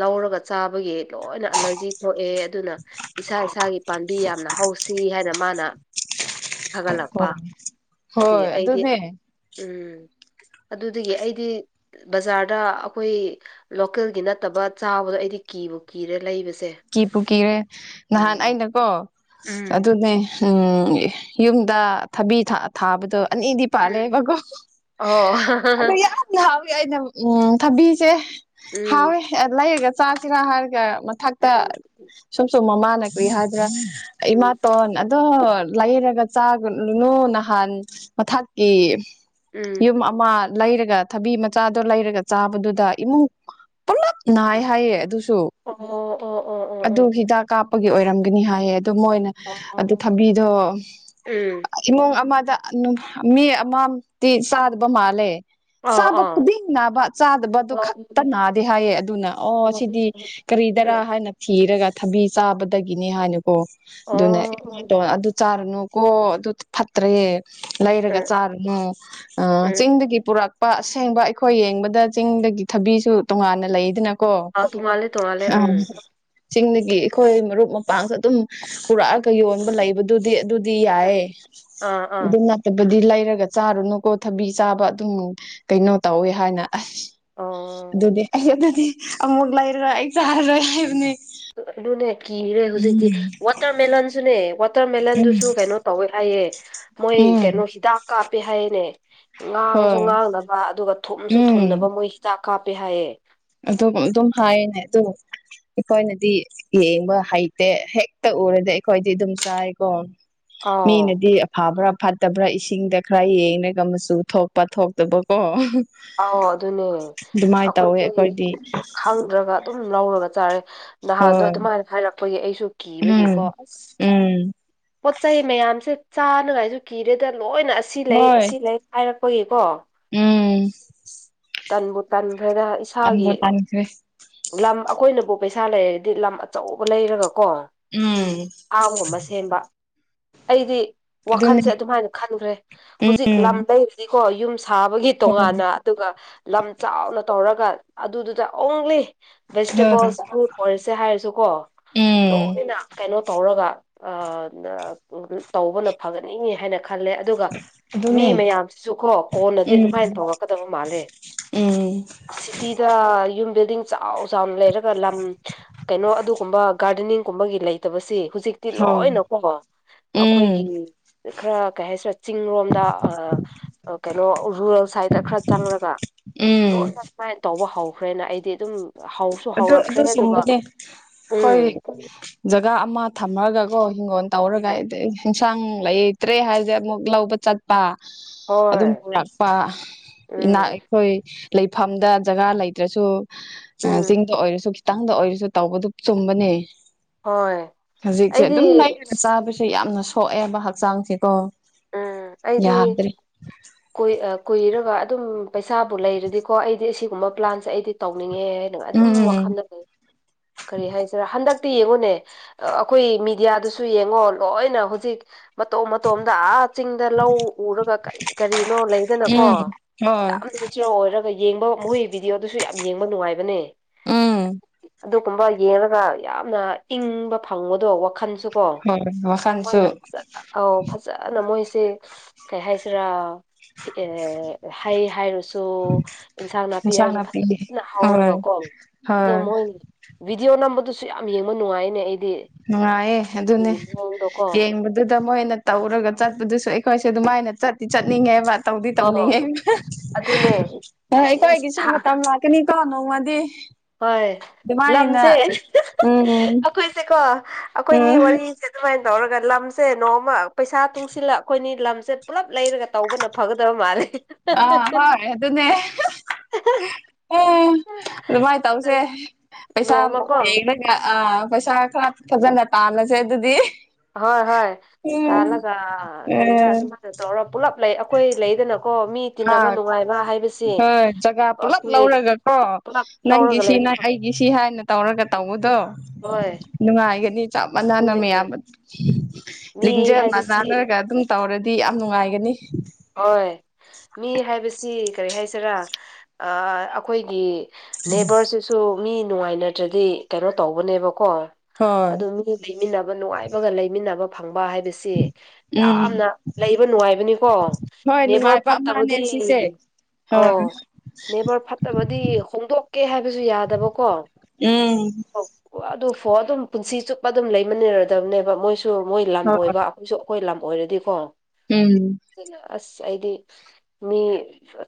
ꯂꯧꯔꯒ ꯆꯥꯕ ꯑꯩꯈꯣꯏꯒꯤ ꯂꯣꯏꯅ ꯑꯦꯂꯔꯖꯤ ꯊꯣꯛꯑꯦ ꯑꯗꯨꯅ ꯏꯁꯥ ꯏꯁꯥꯒꯤ ꯄꯥꯝꯕꯤ ꯌꯥꯝꯅ ꯍꯧꯁꯤ ꯍꯥꯏꯅ ꯃꯥꯅ ꯐꯒꯠꯂꯛꯄ ꯍꯣꯏ ꯑꯗꯨꯗꯒꯤ ꯍꯣꯏ ꯑꯩꯗꯤ ꯑꯗꯨꯅꯦ ꯎꯝ ꯑꯗꯨꯗꯒꯤ ꯑꯩꯗꯤ ꯕꯖꯥꯔꯗ ꯑꯩꯈꯣꯏ ꯂꯣꯀꯦꯜꯒꯤ ꯅꯠꯇꯕ ꯆꯥꯕꯗꯣ ꯑꯩꯗꯤ ꯀꯤꯕꯨ ꯀꯤꯔ ꯂꯩꯕꯁꯦ ꯀꯤꯕꯨ ꯀꯤꯔꯦ ꯅꯍꯥꯟ ꯎꯝ ꯑꯩꯅꯀꯣ ꯎꯝ ꯑꯗꯨꯅꯦ ꯎꯝ ꯌꯨꯝꯗ ꯊꯕꯤ ꯊꯥꯕꯗꯣ ꯑꯅꯤꯗꯤ ꯎꯝ ꯄꯥꯜꯂꯦꯕꯀꯣ ꯑꯣ ꯑꯗꯣ ꯌꯥꯝ ꯍꯥꯎꯋꯦ ꯑꯩꯅ ꯎꯝ ꯊꯕꯤꯁꯦ ꯎꯝ ꯍꯥꯎꯋꯦ ꯂꯩꯔꯒ ꯆꯥꯁꯤꯔꯥ ꯍꯥꯏꯔꯒ ꯃꯊꯛꯇ ꯎꯝ ꯁꯨꯝ ꯁꯨꯝ ꯃꯃꯥꯅ ꯀꯨꯏ ꯍꯥꯏꯗ꯭ꯔꯥ ꯎꯝ ꯏꯃꯥꯇꯣꯟ ꯑꯗꯣ ꯂꯥꯏꯔꯒ ꯆꯥꯒꯂꯨꯅꯨ ꯅꯍꯥꯟ ꯃꯊꯛꯀꯤ ꯎꯝ ꯌꯨꯝ ꯑꯃ ꯂꯩꯔꯒ ꯊꯕꯤ ꯃꯆꯥꯗꯣ ꯂꯩꯔꯒ ꯆꯥꯕꯗꯨꯗ ꯏꯃꯨꯡ ꯄꯨꯂꯞ ꯅꯥꯏ ꯍꯥꯏꯌꯦ ꯑꯗꯨ ꯑ ꯑꯗꯨ ꯍꯤꯗꯥꯛ ꯀꯥꯞꯄꯒꯤ ꯑꯣꯏꯔꯝꯒꯅꯤ ꯍꯥꯏꯌꯦ ꯑꯗꯨ ꯃꯣꯏꯅ ꯑꯣ ꯑꯗꯨ ꯑꯣ ꯊꯝꯕꯤꯗꯣ ꯎꯝ ꯏꯃꯨꯡ ꯑꯃ ꯃꯤ ꯑꯃꯝꯇꯤ ꯁꯥꯗꯕ ꯃꯥꯜꯂꯦ ꯑꯣ ꯆꯥꯕ ꯑꯣ ꯈꯨꯗꯤꯡ ꯅꯥꯕ ꯆꯥꯗꯕꯗ ꯈꯛꯇ ꯅꯥꯗꯦ ꯍꯥꯏꯌꯦ ꯑꯗꯨꯅ ꯑꯣ ꯁꯤꯗꯤ ꯀꯔꯤ ꯍꯥꯏ ꯊꯤꯔꯒꯥ ꯊꯕꯤ ꯆꯥꯅꯗꯒꯤꯅꯤ <unintelligible> ꯑꯣ ꯑꯗꯨꯃ ꯅꯨꯀꯣ ꯑꯗꯨ ꯐꯠꯇ꯭ꯔꯦ ꯂꯩꯔꯒ ꯎꯝ ꯆꯥꯔꯨꯅꯨ ꯎꯝ ꯆꯤꯡꯗꯒꯤ ꯄꯨꯔꯛ ꯑꯁꯦꯡꯕ ꯑꯩꯈꯣꯏ ꯌꯦꯡꯕꯗ ꯆꯤꯡꯗꯒꯤ ꯊꯕꯤꯁꯨ ꯇꯣꯉꯥꯟꯅ ꯂꯩꯗꯅ ꯥꯎ <unintelligible> ꯑ ꯆꯤꯡꯒꯤ ꯑꯩꯈꯣꯏ ꯃꯔꯨꯞ ꯃꯄꯥꯡꯁꯨ ꯑꯗꯨꯝ ꯄꯨꯔꯛꯑꯒ ꯌꯣꯟꯕ ꯂꯩꯕꯗꯨꯗꯤ ꯑꯗꯨ ꯌꯥꯌꯦ ꯑꯥ ꯑꯥ <unintelligible> ꯇꯕꯗꯤꯂ ꯍꯥꯏꯔꯒ ꯆꯥꯔꯨꯅꯨꯀꯣ ꯊꯕꯤ ꯆꯥꯕ ꯑꯗꯨꯝ ꯀꯩꯅꯣ ꯇꯧꯋꯦ ꯍꯥꯏꯅ ꯑꯁ ꯑꯣ ꯑꯗꯨꯗꯤ ꯑꯩ ꯑꯗꯨꯗꯤ ꯑꯃꯨꯛ ꯂꯩꯔꯣꯏ ꯑꯩ ꯆꯥꯔꯔꯣꯏ ꯍꯥꯏꯕꯅꯤ ꯑꯗꯨꯅꯦ ꯀꯤꯔꯦ ꯍꯧꯖꯤꯛꯇꯤ ꯋꯥꯇꯔꯃꯦꯂꯟꯁꯨꯅꯦ ꯎꯝ ꯋꯥꯇꯔꯃꯦꯂꯟꯗꯨꯁꯨ ꯀꯩꯅꯣ ꯇꯧꯋꯦ ꯍꯥꯏꯌꯦ ꯃꯣꯏ ꯎꯝ ꯀꯩꯅꯣ ꯍꯤꯗꯥꯛ ꯀꯥꯞꯄꯦ ꯍꯥꯏꯌꯦꯅꯦ ꯉꯥꯡꯁꯨ ꯍꯣꯏ ꯉꯥꯡꯕ ꯊꯨꯝꯁꯨ ꯊꯨꯝꯅꯕ ꯃꯣꯏ ꯍꯤꯗꯥꯛ ꯀꯥꯞꯄꯦ ꯍꯥꯏꯌꯦ ꯑꯗꯨ ꯑꯗꯨꯝ ꯍꯥꯏꯅꯦ ꯇ ꯑꯩꯈꯣꯏꯅꯗꯤ ꯌꯦꯡꯕ ꯍꯩꯇꯦ ꯍꯦꯛꯇ ꯎꯔꯗ ꯑꯩꯈꯣꯏꯗꯤ ꯑꯗꯨꯝ ꯆꯥꯏꯀꯣ ꯑꯥꯎ ꯃꯤꯅꯗꯤ ꯑꯐꯕ꯭ꯔꯥ ꯐꯠꯇꯕ꯭ꯔꯥ ꯏꯁꯤꯡꯗ ꯈꯔ ꯌꯦꯡꯉꯒ ꯃꯆꯨ ꯊꯣꯛꯄ ꯊꯣꯛꯇꯕꯀꯣ ꯑꯥꯎ ꯑꯗꯨꯅꯦ ꯑꯗꯨꯃꯥꯏꯅ ꯇꯧꯋꯦ ꯑꯩꯈꯣꯏꯗꯤ ꯈꯪꯗ꯭ꯔꯒ ꯑꯗꯨꯝ ꯂꯧꯔꯒ ꯆꯥꯔꯦ ꯅꯍꯥꯟꯗꯣ ꯍꯣꯏ ꯑꯗꯨꯃꯥꯏꯅ ꯍꯥꯏꯔꯛꯄꯒꯤ ꯑꯩꯁꯨ ꯎꯝ ꯀꯤꯕꯒꯤꯀꯣ ꯑꯁ ꯎꯝ ꯄꯣꯠ ꯆꯩ ꯃꯌꯥꯝꯁꯦ ꯆꯥꯅꯉꯥꯏꯁꯨ ꯀꯤꯔꯦꯗ ꯂꯣꯏꯅ ꯑꯁꯤ ꯂꯩ ꯍꯣꯏ ꯑꯁꯤ ꯂꯩ ꯍꯥꯏꯔꯛꯄꯒꯤꯀꯣ ꯎꯝ ꯇꯟꯕꯨ ꯇꯟꯈ꯭ꯔꯦꯒ ꯏꯁꯥꯒꯤ ꯇꯟꯕꯨ ꯇꯟꯈ꯭ꯔꯦ ꯂꯝ ꯑꯩꯈꯣꯏꯅꯕꯨ ꯄꯩꯁꯥ ꯂꯩꯔꯗꯤ ꯂꯝ ꯑꯆꯧꯕ ꯂꯩꯔꯒ ꯀꯣ ꯎꯝ ꯑꯥꯝꯒꯨꯝꯕ ꯁꯦꯝꯕ ꯑꯩꯗꯤ ꯑꯗꯨꯅꯦ ꯋꯥꯈꯟꯁꯦ ꯑꯗꯨꯃꯥꯏꯅ ꯈꯟꯈ꯭ꯔꯦ ꯍꯧꯖꯤꯛ ꯎꯝ ꯂꯝ ꯂꯩꯔꯗꯤꯀꯣ ꯌꯨꯝ ꯁꯥꯕꯒꯤ ꯍꯣꯏ ꯇꯣꯉꯥꯟꯅ ꯑꯗꯨꯒ ꯂꯝ ꯆꯥꯎꯅ ꯇꯧꯔꯒ ꯑꯗꯨꯗꯨꯗ ꯑꯣꯡꯂꯤ ꯍꯣꯏ ꯚꯦꯖꯤꯇꯦꯕꯜꯁ ꯐ꯭ꯔꯨꯠ ꯑꯣꯏꯔꯤꯁꯦ ꯍꯥꯏꯔꯁꯨ ꯀꯣ ꯎꯝ ꯂꯣꯏꯅ ꯀꯩꯅꯣ ꯇꯧꯔꯒ ꯇꯧꯕꯅ ꯐꯒꯠꯅꯤꯡꯉꯤ ꯍꯥꯏꯅ ꯈꯜꯂꯦ ꯑꯗꯨꯒ ꯃꯤ ꯑꯗꯨꯅꯦ ꯃꯌꯥꯝꯁꯤꯁꯨ ꯀꯣ ꯀꯣꯟꯅꯗꯤ ꯎꯝ ꯑꯗꯨꯝꯍꯥꯏꯅ ꯐꯧꯔꯛꯀꯗꯕ ꯃꯥꯜꯂꯦ ꯎꯝ ꯁꯤꯗꯤꯗ ꯌ ꯕꯤꯜꯗꯤꯡ ꯆꯥꯎ ꯆꯥꯎꯅ ꯂꯩꯔꯒ ꯂꯝ ꯀꯩꯅꯣ ꯑꯗꯨꯒꯨꯝꯕ ꯒꯥꯔꯗꯦꯅꯤꯡꯒꯨꯝꯕꯒꯤ ꯂꯩꯇꯕꯁꯤ ꯍꯧꯖꯤꯛꯇꯤ ꯍꯣꯏ ꯂꯣꯏꯅꯀꯣ ꯑꯩꯈꯣꯏꯒꯤ ꯎꯝ ꯈꯔ ꯀꯩ ꯍꯥꯏꯁꯤꯔꯦ ꯆꯤꯡ ꯂꯣꯝꯗ ꯀꯩꯅꯣ ꯔꯨꯔꯦꯜ ꯁꯁꯥꯏꯠꯇ ꯈꯔ ꯆꯪꯂꯪꯂꯒ ꯎꯝ ꯂꯣꯏꯅ ꯁꯨꯃꯥꯏꯅ ꯇꯧꯕ ꯍꯧꯈ꯭ꯔꯦꯅ ꯑꯩꯗꯤ ꯑꯗꯨꯝ ꯍꯧꯁꯨ ꯑꯗꯨ ꯍꯧꯔꯛꯈ꯭ꯔꯦ ꯑꯗꯨ ꯑꯗꯨꯒ ꯁꯨꯝꯕꯅꯦ ꯑꯩꯈꯣꯏ ꯎꯝ ꯖꯒꯥ ꯑꯃ ꯊꯝꯃꯒꯀꯣ ꯍꯤꯡꯒꯣꯜ ꯇꯧꯔꯒ ꯍꯥꯏꯗꯤ ꯑꯦꯟꯁꯥꯡ ꯂꯩꯇ꯭ꯔꯦ ꯍꯥꯏꯁꯦ ꯑꯃꯨꯛ ꯂꯧꯕ ꯆꯠꯄ ꯑꯗꯨꯝ ꯍꯣꯏ ꯄꯨꯔꯛꯄ ꯏꯅꯥ ꯎꯝ ꯑꯩꯈꯣꯏ ꯂꯩꯐꯝꯗ ꯖꯒꯥ ꯂꯩꯇ꯭ꯔꯁꯨ ꯎꯝ ꯆꯤꯡꯗ ꯑꯣꯏꯔꯁꯨ ꯈꯤꯇꯪ ꯑꯉꯥꯡꯗ ꯑꯣꯏꯔꯁꯨ ꯇꯧꯕꯗꯨ ꯆꯨꯝꯕꯅꯦ ꯍꯣꯏ ꯍꯧꯖꯤꯛꯁꯦ ꯑꯩꯗꯤ ꯑꯗꯨꯝ ꯂꯩꯔꯒ ꯆꯥꯕꯁꯦ ꯌꯥꯝꯅ ꯁꯣꯛꯑꯦꯕ ꯍꯛꯆꯥꯡꯁꯀꯣ ꯎꯝ ꯑꯩꯗꯤ ꯀꯣꯏ ꯑ ꯀꯨꯏꯔꯒ ꯑꯗꯨꯝ ꯄꯩꯁꯥꯕꯨ ꯂꯩꯔꯗꯤꯀꯣ ꯑꯩꯗꯤ ꯑꯁꯤꯒꯨꯝꯕ ꯄ꯭ꯂꯥꯟꯁꯦ ꯑꯩꯗꯤ ꯇꯧꯅꯤꯡ ꯉꯦ ꯍꯥꯏ ꯑꯗꯨꯝ ꯎꯝ ꯎꯝ ꯋꯥꯈꯜꯗ ꯂꯩ ꯀꯔꯤ ꯍꯥꯏꯁꯤꯔ ꯍꯟꯗꯛ ꯌꯦꯡꯉꯨꯅꯦ ꯑꯩꯈꯣꯏ ꯃꯤꯦꯗꯤꯌꯥꯗꯨꯁꯨ ꯌꯦꯡꯉꯣ ꯂꯣꯏꯅ ꯍꯧꯖꯤꯛ ꯃꯇꯧ ꯗꯥ ꯆꯤꯡꯗ ꯂꯧ ꯎꯔꯒ ꯀꯔꯤ ꯀꯔꯤꯅꯣ ꯂꯩꯗꯅꯀꯣ ꯎꯝ ꯍꯣꯏ ꯌꯥꯝ ꯅꯦꯆꯔꯦꯜ ꯑꯣꯏꯔꯒ ꯌꯦꯡꯕ ꯃꯣꯏ ꯚꯤꯗꯤꯑꯣꯗꯨꯁꯨ ꯌꯥꯝ ꯌꯦꯡꯕ ꯅꯨꯡꯉꯥꯏꯕꯅꯦ ꯎꯝ ꯑꯗꯨꯒꯨꯝꯕ ꯌꯦꯡꯉꯒ ꯌꯥꯝꯅ ꯏꯪꯕ ꯐꯪꯕꯗꯣ ꯋꯥꯈꯜ ꯍꯣꯏ ꯋꯥꯈꯜꯁꯨ <unintelligible> ꯐꯖꯅ ꯃꯣꯏꯁꯤ ꯀꯩ ꯍꯥꯏꯁꯤꯔꯥ ꯍꯩ ꯍꯥꯏꯔꯁꯨ ꯏꯟꯁꯥꯡ ꯅꯥꯄꯤ ꯍꯥꯏꯔꯁꯨ ꯐꯖꯅ ꯍꯣꯏ ꯍꯥꯎꯔꯒꯀꯣ ꯑꯗꯣ ꯍꯣꯏ ꯃꯣꯏ ꯚꯤꯗꯤꯑꯣ ꯅꯝꯕꯗꯨꯁꯨ ꯌꯥꯝ ꯌꯦꯡꯕ ꯅꯨꯡꯉꯥꯏꯅꯦ ꯑꯩ ꯉꯑꯦ ꯑꯗꯨꯅꯦ ꯃꯑꯣꯡꯗꯣꯀꯣ ꯌꯦꯡꯕꯗꯨꯗ ꯃꯣꯏꯅ ꯇꯧꯔꯒ ꯆꯠꯄꯗꯨꯁꯨ ꯑꯩꯈꯣꯏꯁꯦ ꯑꯗꯨꯝꯃꯥꯏꯅ ꯆꯠꯇꯤ ꯆꯠꯅꯤꯡꯉꯦꯕ ꯇꯧꯗꯤ ꯇꯧꯅꯤꯡꯉꯦ ꯑꯣ ꯑꯗꯨꯅꯦ ꯏꯁ ꯑꯩꯈꯣꯏꯒꯤꯁꯨ ꯊꯥ ꯃꯇꯝ ꯂꯥꯛꯀꯅꯤ ꯀꯣ ꯅꯣꯡꯃꯗꯤ ꯍꯣꯏ ꯑꯗꯨꯃꯥꯏꯅ ꯂꯝꯁꯦ ꯎꯝ ꯑꯩꯈꯣꯏꯁꯦꯀꯣ ꯑꯩꯈꯣꯏꯅꯤ ꯎꯝ ꯋꯥꯔꯤꯁꯦ ꯑꯗꯨꯃꯥꯏꯅ ꯇꯧꯔꯒ ꯂꯝꯁꯦ ꯅꯣꯡꯃ ꯄꯩꯁꯥ ꯇꯨꯡꯁꯤꯜꯂ ꯑꯩꯈꯣꯏꯅꯤ ꯂꯝꯁꯦ ꯄꯨꯜꯂꯞ ꯂꯩꯔꯒ ꯇꯧꯕꯅ ꯐꯒꯗꯕ ꯃꯥꯜꯂꯦ ꯑ ꯍ ꯑꯗꯨ ꯑꯗꯨꯅꯦ ꯎꯝ ꯑꯗꯨꯃꯥꯏꯅ ꯇꯧꯁꯦ ꯄꯩꯁꯥ ꯅꯣꯡꯃꯀꯣ ꯍꯒ ꯑ ꯄꯩꯁꯥ ꯈꯔ ꯐꯖꯅ ꯇꯥꯜꯂꯁꯦ ꯑꯗꯨꯗꯤ ꯍꯣꯏ ꯍꯣꯏ ꯎꯝ ꯇꯥꯜꯂꯒ ꯀꯔꯤꯔꯥ ꯎꯝ ꯑꯗꯨꯝꯕꯅ ꯇꯧꯔꯣ ꯄꯨꯂꯞ ꯂꯩ ꯑꯩꯈꯣꯏ ꯂꯩꯗꯅꯀꯣ ꯃꯤ ꯇꯤꯟꯅꯕ ꯑ ꯅꯨꯡꯉꯥꯏꯕ ꯍꯥꯏꯕꯁꯦ ꯍꯣꯏ ꯖꯒꯥ ꯄꯨꯂꯞ ꯑꯩꯈꯣꯏ ꯂꯧꯔꯒꯀꯣ ꯄꯨꯂꯞ ꯅꯪꯒꯤ ꯂꯧꯔꯒ ꯁꯤ ꯅ ꯂꯩꯕꯁꯨ ꯑꯩꯒꯤ ꯁꯤ ꯍꯥꯏꯅ ꯇꯧꯔꯒ ꯇꯧꯕꯗꯣ ꯍꯣꯏ ꯅꯨꯡꯉꯥꯏꯒꯅꯤ ꯆꯞ ꯃꯥꯟꯅꯅ ꯑꯗꯨꯅꯦ ꯃꯌꯥꯝꯕ ꯃꯤ ꯂꯤꯡꯖ ꯍꯥꯏꯕꯁꯤ ꯅꯥꯟꯅꯔꯒ ꯑꯗꯨꯝ ꯇꯧꯔꯗꯤ ꯌꯥꯝ ꯅꯨꯡꯉꯥꯏꯒꯅꯤ ꯍꯣꯏ ꯃꯤ ꯍꯥꯏꯕꯁꯤ ꯀꯔꯤ ꯍꯥꯏꯁꯤꯔꯥ ꯑꯩꯈꯣꯏꯒꯤ ꯅꯦꯕꯔꯁꯤꯁꯨ ꯃꯤ ꯅꯨꯡꯉꯥꯏꯅꯗ꯭ꯔꯗꯤ ꯀꯩꯅꯣ ꯇꯧꯕꯅꯦꯕꯣ ꯀꯣ ꯍꯣꯏ ꯑꯗꯨ ꯃꯤ ꯂꯩꯃꯤꯟꯅꯕ ꯅꯨꯡꯉꯥꯏꯕꯒ ꯂꯩꯃꯤꯟꯅꯕ ꯐꯪ ꯕꯥ ꯍꯥꯏꯕꯁꯤ ꯎꯝ ꯌꯥꯝꯅ ꯂꯩꯕ ꯅꯨꯡꯉꯥꯏꯕꯅꯤꯀꯣ ꯍꯣꯏ ꯅꯦꯕꯔ ꯅꯨꯡꯉꯥꯏꯕ ꯐꯠ ꯑꯃꯅꯦ ꯇꯕꯗꯤ ꯁꯤꯁꯦ ꯍꯣꯏ ꯑꯣ ꯅꯦꯕꯔ ꯐꯠꯇꯕꯗꯤ ꯍꯣꯡꯗꯣꯛꯀꯦ ꯍꯥꯏꯕꯁꯨ ꯌꯥꯗꯕꯀꯣ ꯎꯝ ꯑꯗꯨꯐꯣ ꯑꯗꯨꯝ ꯄꯨꯟꯁꯤ ꯆꯨꯞꯄ ꯑꯗꯨꯝ ꯂꯩꯃꯤꯟꯅꯔꯗꯕꯅꯦꯕ ꯃꯣꯏꯁꯨ ꯃꯣꯏ ꯂꯝ ꯍꯣꯏ ꯑꯣꯏꯕ ꯑꯩꯈꯣꯏꯁꯨ ꯑꯩꯈꯣꯏ ꯂꯝ ꯑꯣꯏꯔꯗꯤꯀꯣ ꯎꯝ ꯑꯁ ꯑꯩꯗꯤ ꯃꯤ